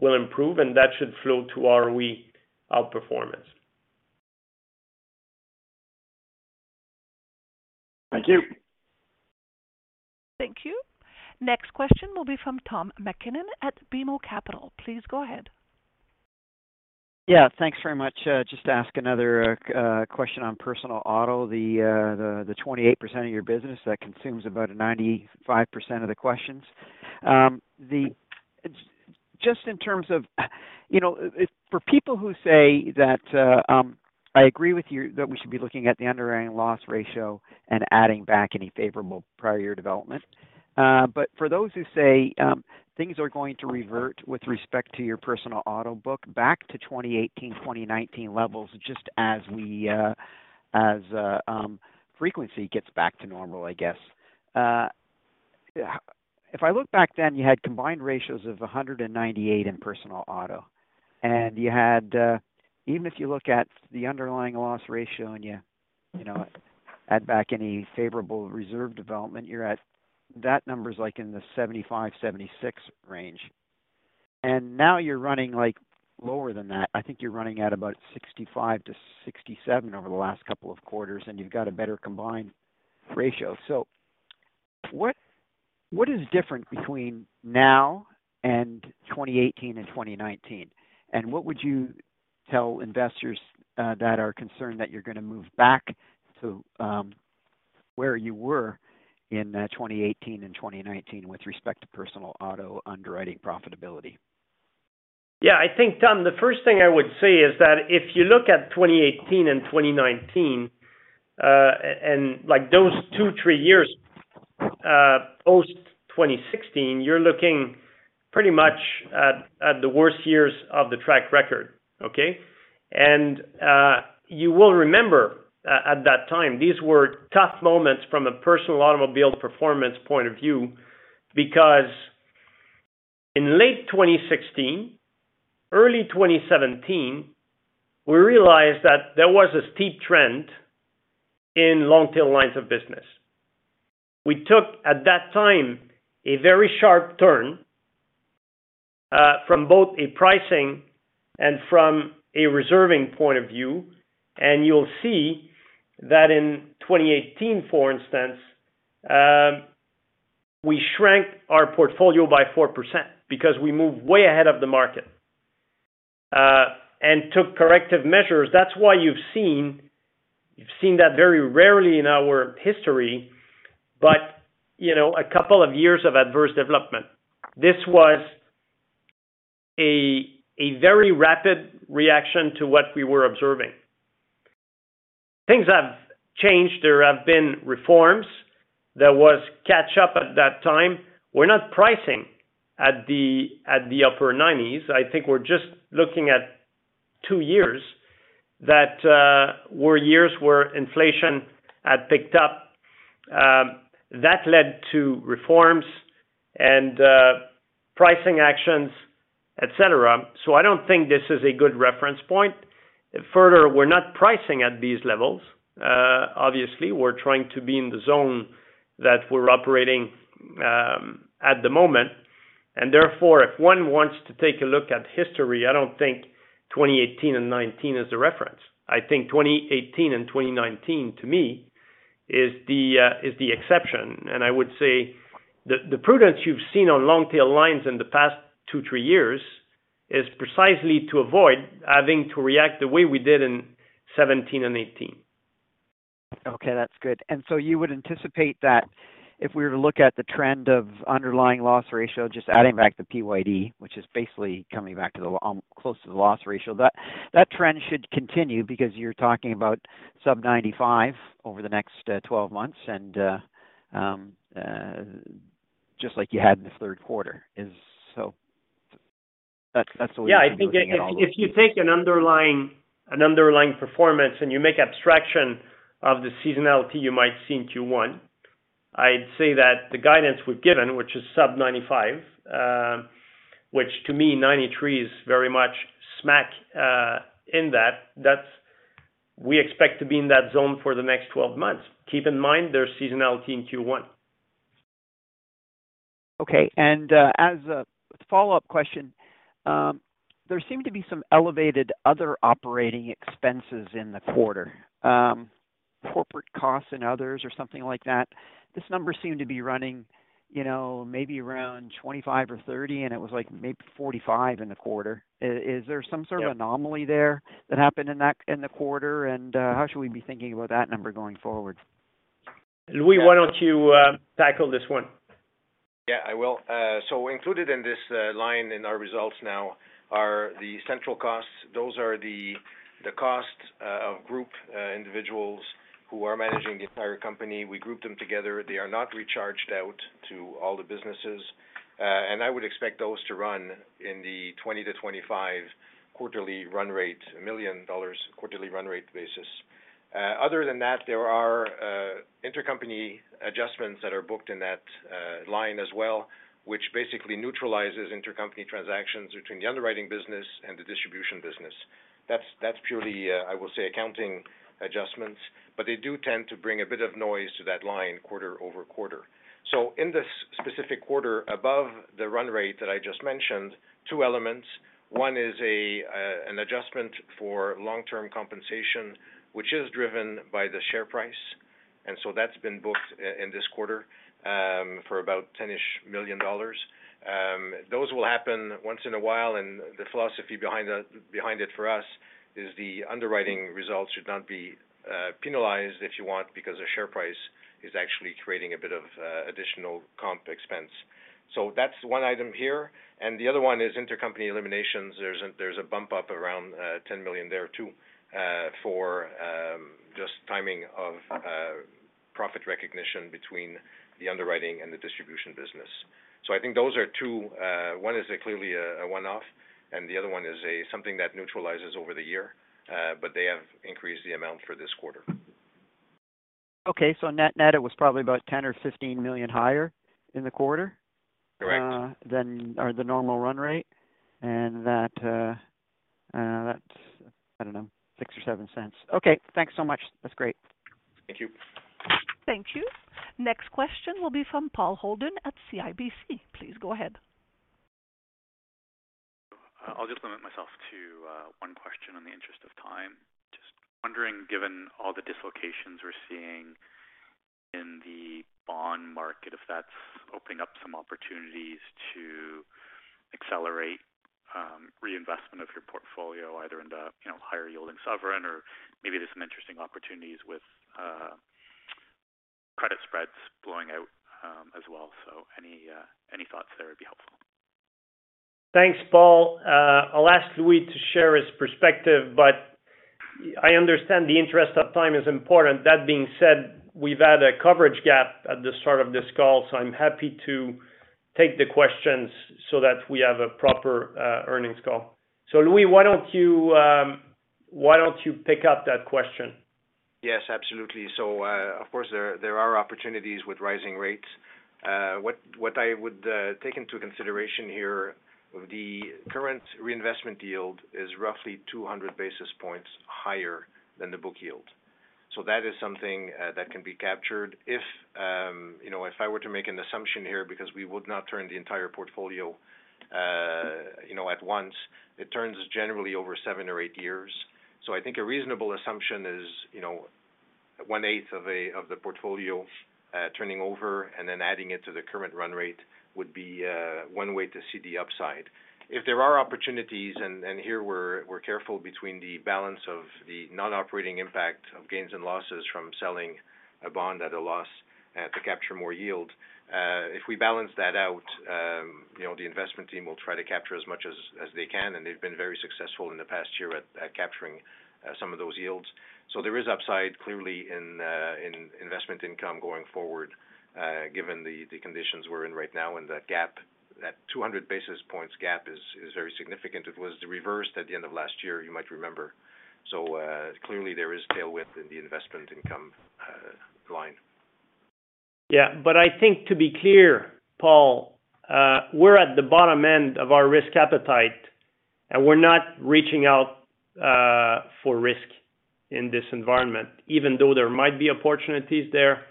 will improve, and that should flow to our ROE outperformance. Thank you. Thank you. Next question will be from Tom MacKinnon at BMO Capital. Please go ahead. Yeah, thanks very much. Just to ask another question on Personal auto, the 28% of your business that consumes about 95% of the questions. Just in terms of, you know, it's for people who say that, I agree with you that we should be looking at the underwriting loss ratio and adding back any favorable prior year development. But for those who say, things are going to revert with respect to your Personal auto book back to 2018, 2019 levels, just as frequency gets back to normal, I guess. If I look back then, you had combined ratios of 198 in Personal auto, and you had, even if you look at the underlying loss ratio and you know, add back any favorable reserve development, you're at, that number's like in the 75-76 range. Now you're running, like, lower than that. I think you're running at about 65-67 over the last couple of quarters, and you've got a better combined ratio. What is different between now and 2018 and 2019? What would you tell investors that are concerned that you're gonna move back to where you were in 2018 and 2019 with respect to Personal auto underwriting profitability? Yeah, I think, Tom, the first thing I would say is that if you look at 2018 and 2019, like those two, three years post-2016, you're looking pretty much at the worst years of the track record, okay? You will remember at that time, these were tough moments from a Personal automobile performance point of view, because in late 2016, early 2017, we realized that there was a steep trend in long-tail lines of business. We took, at that time, a very sharp turn from both a pricing and from a reserving point of view. You'll see that in 2018, for instance, we shrank our portfolio by 4% because we moved way ahead of the market and took corrective measures. That's why you've seen that very rarely in our history, but, you know, a couple of years of adverse development. This was a very rapid reaction to what we were observing. Things have changed. There have been reforms. There was catch up at that time. We're not pricing at the upper nineties. I think we're just looking at two years that were years where inflation had picked up, that led to reforms and pricing actions, et cetera. So I don't think this is a good reference point. Further, we're not pricing at these levels, obviously. We're trying to be in the zone that we're operating at the moment. Therefore, if one wants to take a look at history, I don't think 2018 and 2019 is the reference. I think 2018 and 2019 to me is the exception. I would say the prudence you've seen on long-tail lines in the past two, three years is precisely to avoid having to react the way we did in 2017 and 2018. Okay, that's good. You would anticipate that if we were to look at the trend of underlying loss ratio, just adding back the PYD, which is basically coming back to close to the loss ratio, that trend should continue because you're talking about sub 95% over the next 12 months and just like you had in the third quarter is so. That's the way I think looking at all of it. If you take an underlying performance and you make abstraction of the seasonality you might see in Q1, I'd say that the guidance we've given, which is sub-95%, to me 93% is very much smack in that's what we expect to be in that zone for the next 12 months. Keep in mind there's seasonality in Q1. Okay. As a follow-up question, there seemed to be some elevated other operating expenses in the quarter. Corporate costs and others or something like that. This number seemed to be running, you know, maybe around 25 or 30, and it was like maybe 45 in the quarter. Is there some sort of anomaly there that happened in the quarter? How should we be thinking about that number going forward? Louis, why don't you tackle this one? Yeah, I will. So included in this line in our results now are the central costs. Those are the costs of group individuals who are managing the entire company. We group them together. They are not recharged out to all the businesses. I would expect those to run in the 20 million-25 million dollars quarterly run rate basis. Other than that, there are intercompany adjustments that are booked in that line as well, which basically neutralizes intercompany transactions between the underwriting business and the distribution business. That's purely, I will say, accounting adjustments, but they do tend to bring a bit of noise to that line quarter over quarter. In this specific quarter, above the run rate that I just mentioned, two elements. One is an adjustment for long-term compensation, which is driven by the share price. That's been booked in this quarter for about 10 million dollars. Those will happen once in a while, and the philosophy behind it for us is the underwriting results should not be penalized, if you want, because the share price is actually creating a bit of additional comp expense. So that's one item here. The other one is intercompany eliminations. There's a bump up around 10 million there too for just timing of profit recognition between the underwriting and the distribution business. So I think those are two. One is clearly a one-off, and the other one is something that neutralizes over the year, but they have increased the amount for this quarter. Okay. Net, it was probably about 10 million or 15 million higher in the quarter? Correct. Than or the normal run rate. That's, I don't know, 0.06 or 0.07. Okay. Thanks so much. That's great. Thank you. Thank you. Next question will be from Paul Holden at CIBC. Please go ahead. I'll just limit myself to one question in the interest of time. Just wondering, given all the dislocations we're seeing in the bond market, if that's opening up some opportunities to accelerate reinvestment of your portfolio, either into, you know, higher yielding sovereign or maybe there's some interesting opportunities with credit spreads blowing out, as well. Any thoughts there would be helpful. Thanks, Paul. I'll ask Louis to share his perspective, but I understand the interest of time is important. That being said, we've had a coverage gap at the start of this call, so I'm happy to take the questions so that we have a proper earnings call. Louis, why don't you pick up that question? Yes, absolutely. Of course, there are opportunities with rising rates. What I would take into consideration here, the current reinvestment yield is roughly 200 basis points higher than the book yield. That is something that can be captured if, you know, I were to make an assumption here, because we would not turn the entire portfolio at once. It turns generally over seven or eight years. I think a reasonable assumption is, you know, one-eighth of the portfolio turning over and then adding it to the current run rate would be one way to see the upside. If there are opportunities, and here we're careful between the balance of the non-operating impact of gains and losses from selling a bond at a loss to capture more yield. If we balance that out, you know, the investment team will try to capture as much as they can, and they've been very successful in the past year at capturing some of those yields. There is upside clearly in investment income going forward, given the conditions we're in right now and that gap. That 200 basis points gap is very significant. It was the reverse at the end of last year, you might remember. Clearly there is tailwind in the investment income line. Yeah. I think to be clear, Paul, we're at the bottom end of our risk appetite, and we're not reaching out for risk in this environment. Even though there might be opportunities there,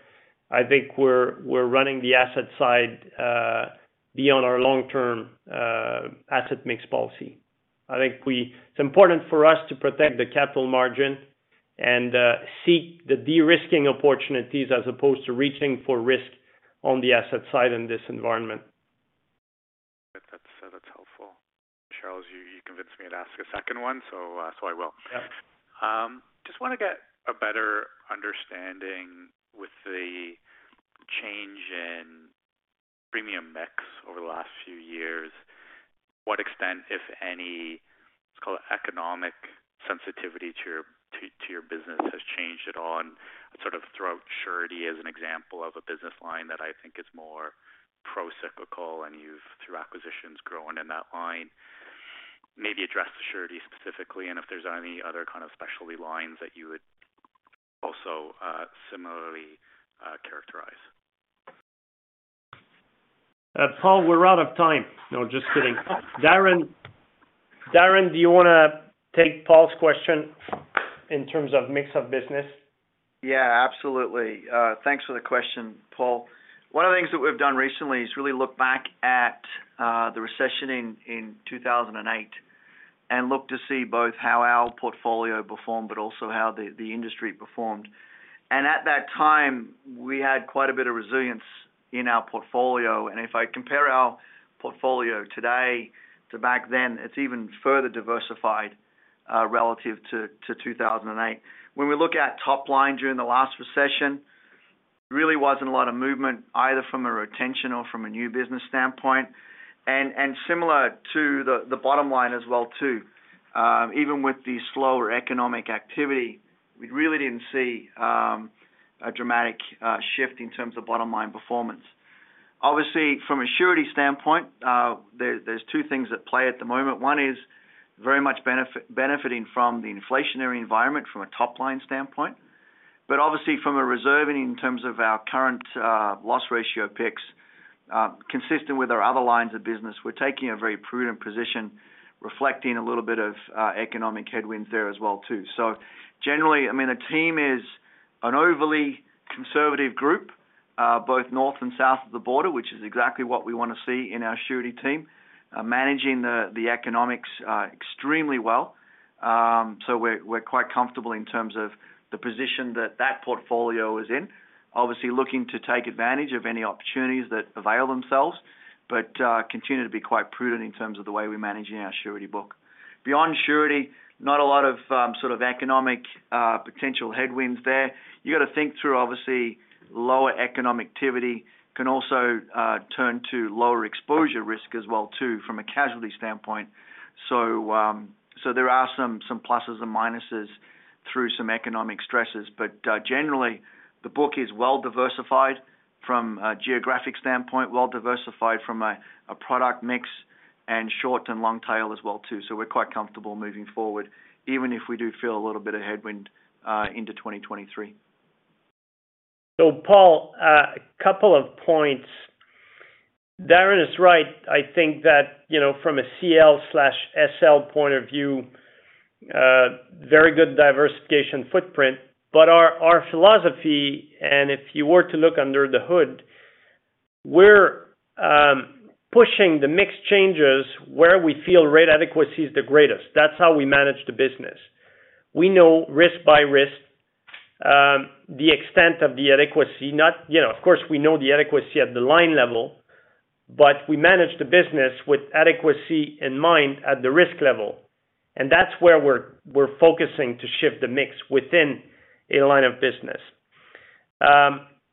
I think we're running the asset side beyond our long-term asset mix policy. It's important for us to protect the capital margin and seek the de-risking opportunities as opposed to reaching for risk on the asset side in this environment. That's helpful. Charles, you convinced me to ask a second one, so I will. Yeah. Just want to get a better understanding of the change in premium mix over the last few years, to what extent, if any. Let's call it economic sensitivity to your business has changed at all. I'd sort of throw surety as an example of a business line that I think is more pro-cyclical and you've, through acquisitions, grown in that line. Maybe address the surety specifically and if there's any other kind of Specialty Lines that you would also similarly characterize. Paul, we're out of time. No, just kidding. Darren. Darren, do you wanna take Paul's question in terms of mix of business? Yeah, absolutely. Thanks for the question, Paul. One of the things that we've done recently is really look back at the recession in 2008 and look to see both how our portfolio performed, but also how the industry performed. At that time, we had quite a bit of resilience in our portfolio. If I compare our portfolio today to back then, it's even further diversified relative to 2008. When we look at top line during the last recession, really wasn't a lot of movement either from a retention or from a new business standpoint. Similar to the bottom line as well too. Even with the slower economic activity, we really didn't see a dramatic shift in terms of bottom line performance. Obviously, from a surety standpoint, there's two things at play at the moment. One is very much benefiting from the inflationary environment from a top-line standpoint. Obviously from a reserving in terms of our current loss ratio picks, consistent with our other lines of business, we're taking a very prudent position, reflecting a little bit of economic headwinds there as well too. Generally, I mean, the team is an overly conservative group, both north and south of the border, which is exactly what we wanna see in our surety team, managing the economics extremely well. We're quite comfortable in terms of the position that that portfolio is in. Obviously looking to take advantage of any opportunities that avail themselves, but continue to be quite prudent in terms of the way we're managing our surety book. Beyond surety, not a lot of sort of economic potential headwinds there. You gotta think through, obviously, lower economic activity can also turn to lower exposure risk as well too from a casualty standpoint. There are some pluses and minuses through some economic stresses. Generally, the book is well diversified from a geographic standpoint, well diversified from a product mix and short and long tail as well too. We're quite comfortable moving forward, even if we do feel a little bit of headwind into 2023. Paul, a couple of points. Darren is right. I think that, you know, from a CL/SL point of view, very good diversification footprint. Our philosophy, and if you were to look under the hood, we're pushing the mix changes where we feel rate adequacy is the greatest. That's how we manage the business. We know risk by risk, the extent of the adequacy, not, you know, of course we know the adequacy at the line level, but we manage the business with adequacy in mind at the risk level. That's where we're focusing to shift the mix within a line of business.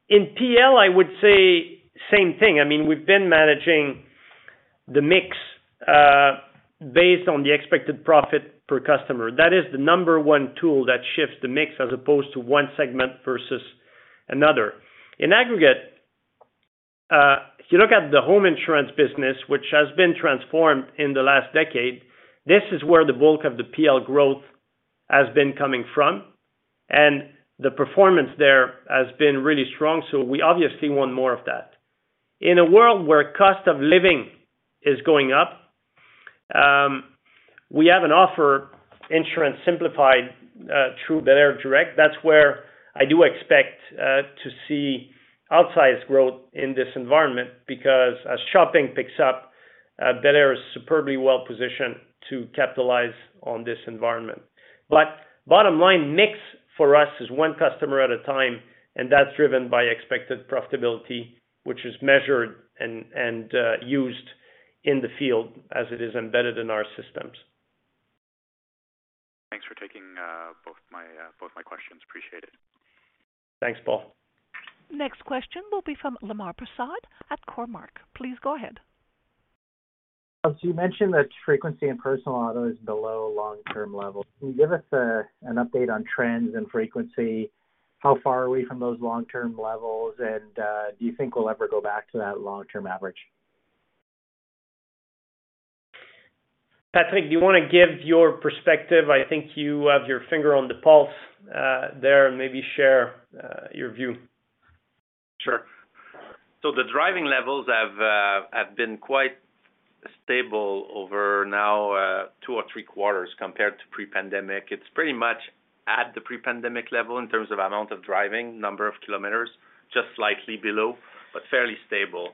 In PL, I would say same thing. I mean, we've been managing the mix based on the expected profit per customer. That is the number one tool that shifts the mix as opposed to one segment versus another. In aggregate, if you look at the home insurance business, which has been transformed in the last decade, this is where the bulk of the PL growth has been coming from, and the performance there has been really strong. We obviously want more of that. In a world where cost of living is going up, we have an offer, insurance, simplified, through belairdirect. That's where I do expect to see outsized growth in this environment because as shopping picks up, belairdirect is superbly well positioned to capitalize on this environment. Bottom line mix for us is one customer at a time, and that's driven by expected profitability, which is measured and used in the field as it is embedded in our systems. Thanks for taking both my questions. Appreciate it. Thanks, Paul. Next question will be from Lemar Persaud at Cormark. Please go ahead. You mentioned that frequency in Personal auto is below long-term levels. Can you give us an update on trends and frequency? How far are we from those long-term levels? Do you think we'll ever go back to that long-term average? Patrick, do you wanna give your perspective? I think you have your finger on the pulse, there, and maybe share your view. Sure. The driving levels have been quite stable over now two or three quarters compared to pre-pandemic. It's pretty much at the pre-pandemic level in terms of amount of driving, number of kilometers, just slightly below, but fairly stable.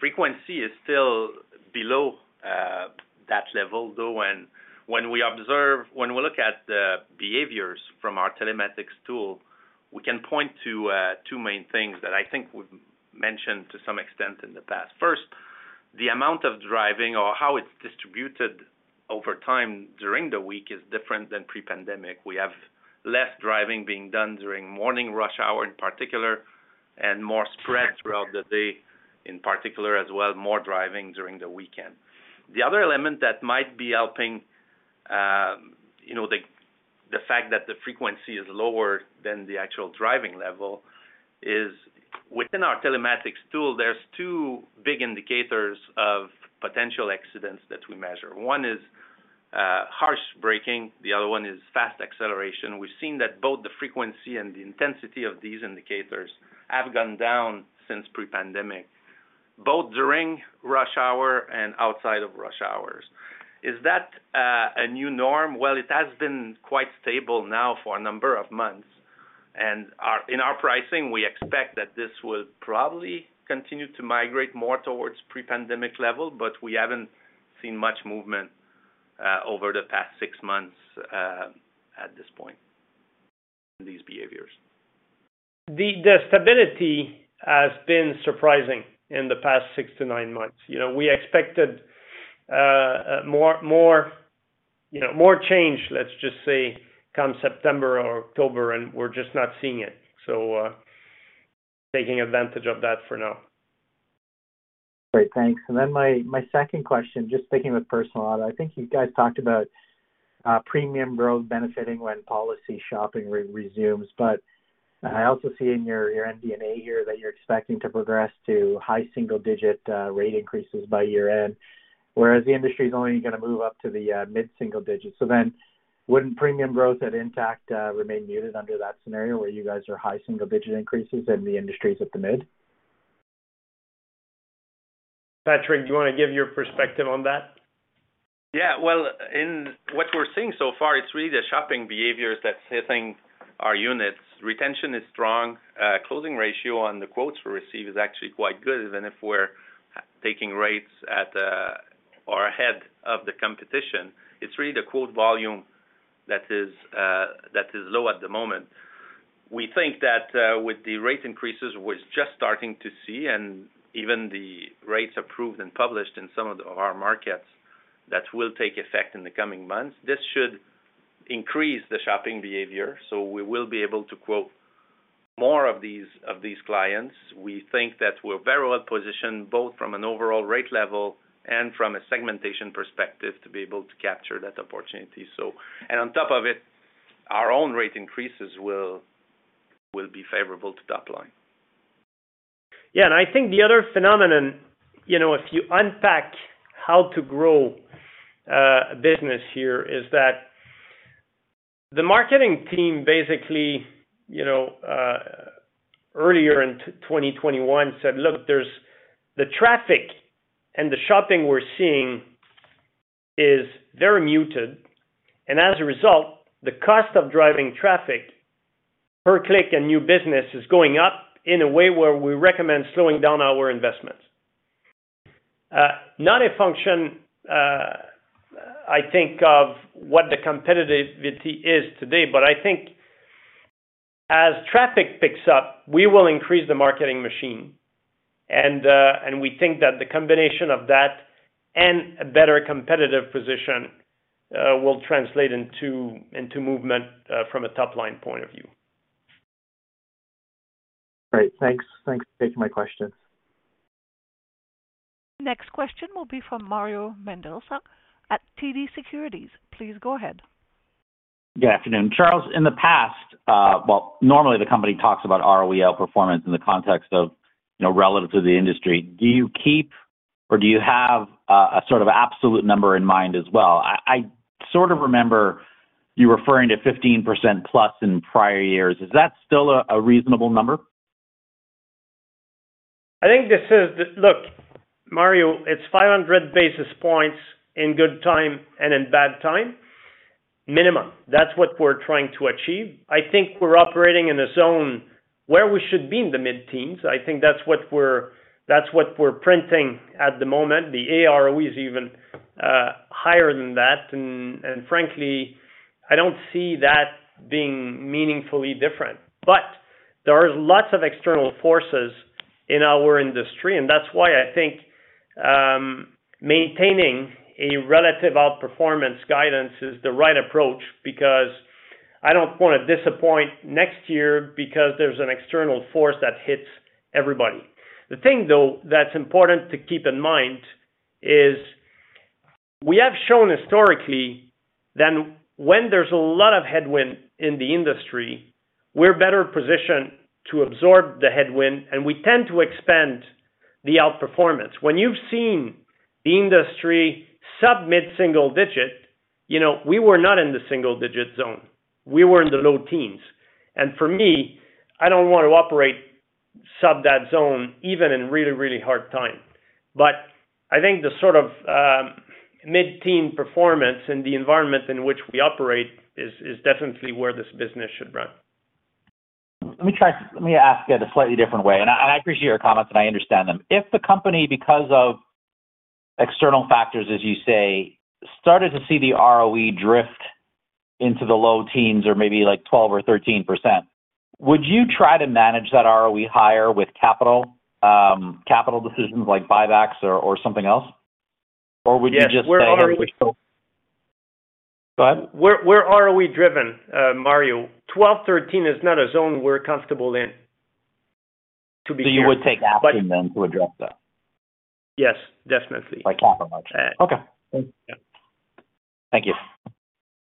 Frequency is still below that level, though, and when we look at the behaviors from our telematics tool, we can point to two main things that I think we've mentioned to some extent in the past. First, the amount of driving or how it's distributed over time during the week is different than pre-pandemic. We have less driving being done during morning rush hour in particular. More spread throughout the day in particular, as well more driving during the weekend. The other element that might be helping, you know, the fact that the frequency is lower than the actual driving level is within our telematics tool. There's two big indicators of potential accidents that we measure. One is harsh braking, the other one is fast acceleration. We've seen that both the frequency and the intensity of these indicators have gone down since pre-pandemic, both during rush hour and outside of rush hours. Is that a new norm? Well, it has been quite stable now for a number of months. In our pricing, we expect that this will probably continue to migrate more towards pre-pandemic level, but we haven't seen much movement over the past six months at this point in these behaviors. The stability has been surprising in the past six to nine months. You know, we expected more, you know, more change, let's just say, come September or October, and we're just not seeing it. Taking advantage of that for now. Great. Thanks. My second question, just sticking with Personal auto. I think you guys talked about premium growth benefiting when policy shopping resumes. I also see in your MD&A here that you're expecting to progress to high single digit rate increases by year-end, whereas the industry is only gonna move up to the mid-single digit. Wouldn't premium growth at Intact remain muted under that scenario, where you guys are high single digit increases and the industry is at the mid? Patrick, do you wanna give your perspective on that? Yeah. Well, in what we're seeing so far, it's really the shopping behavior that's hitting our units. Retention is strong. Closing ratio on the quotes we receive is actually quite good, even if we're taking rates at, or ahead of the competition. It's really the quote volume that is low at the moment. We think that, with the rate increases we're just starting to see, and even the rates approved and published in some of our markets that will take effect in the coming months, this should increase the shopping behavior, so we will be able to quote more of these clients. We think that we're very well positioned, both from an overall rate level and from a segmentation perspective, to be able to capture that opportunity, so. On top of it, our own rate increases will be favorable to top line. Yeah, I think the other phenomenon, you know, if you unpack how to grow business here is that the marketing team basically, you know, earlier in 2021 said, "Look, there's the traffic and the shopping we're seeing is very muted. And as a result, the cost of driving traffic per click and new business is going up in a way where we recommend slowing down our investments." Not a function, I think of what the competition is today, but I think as traffic picks up, we will increase the marketing machine. And we think that the combination of that and a better competitive position will translate into movement from a top-line point of view. Great. Thanks. Thanks for taking my questions. Next question will be from Mario Mendonca at TD Securities. Please go ahead. Good afternoon. Charles, in the past, normally the company talks about ROE performance in the context of, you know, relative to the industry. Do you keep or do you have a sort of absolute number in mind as well? I sort of remember you referring to 15%+ in prior years. Is that still a reasonable number? Look, Mario, it's 500 basis points in good time and in bad time, minimum. That's what we're trying to achieve. I think we're operating in a zone where we should be in the mid-teens. I think that's what we're printing at the moment. The AROE is even higher than that. And frankly, I don't see that being meaningfully different. But there are lots of external forces in our industry, and that's why I think maintaining a relative outperformance guidance is the right approach, because I don't wanna disappoint next year because there's an external force that hits everybody. The thing, though, that's important to keep in mind is we have shown historically that when there's a lot of headwind in the industry, we're better positioned to absorb the headwind, and we tend to expand the outperformance. When you've seen the industry sub mid-single-digit, you know, we were not in the single-digit zone. We were in the low teens. For me, I don't want to operate sub that zone even in really, really hard time. I think the sort of mid-teen performance and the environment in which we operate is definitely where this business should run. Let me ask it a slightly different way, and I appreciate your comments and I understand them. If the company, because of external factors, as you say, started to see the ROE drift into the low teens or maybe like 12% or 13%, would you try to manage that ROE higher with capital decisions like buybacks or something else? Or would you just say- Yes. We're ROE. Go ahead. We're ROE-driven, Mario. 12%-13% is not a zone we're comfortable in, to be clear. You would take action then to address that? Yes, definitely. Like capital. Okay. Thank you.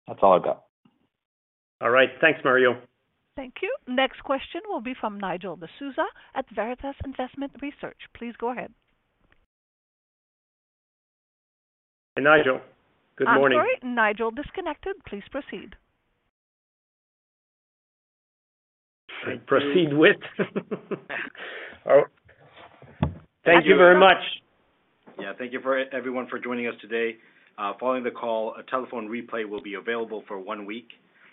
That's all I've got. All right. Thanks, Mario. Thank you. Next question will be from Nigel D'Souza at Veritas Investment Research. Please go ahead. Nigel, good morning. I'm sorry. Nigel disconnected. Please proceed. Proceed with. All right. Thank you very much. Thank you everyone for joining us today. Following the call, a telephone replay will be available for one week,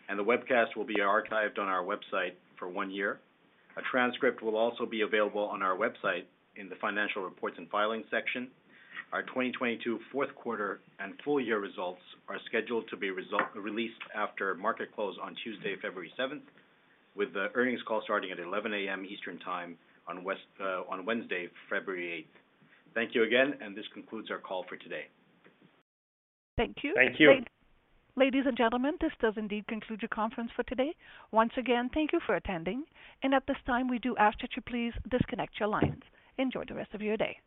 and the webcast will be archived on our website for one year. A transcript will also be available on our website in the Financial Reports and Filings section. Our 2022 fourth quarter and full year results are scheduled to be released after market close on Tuesday, February 7, with the earnings call starting at 11 A.M. Eastern time on Wednesday, February 8. Thank you again, and this concludes our call for today. Thank you. Ladies and gentlemen, this does indeed conclude your conference for today. Once again, thank you for attending. At this time, we do ask that you please disconnect your lines. Enjoy the rest of your day.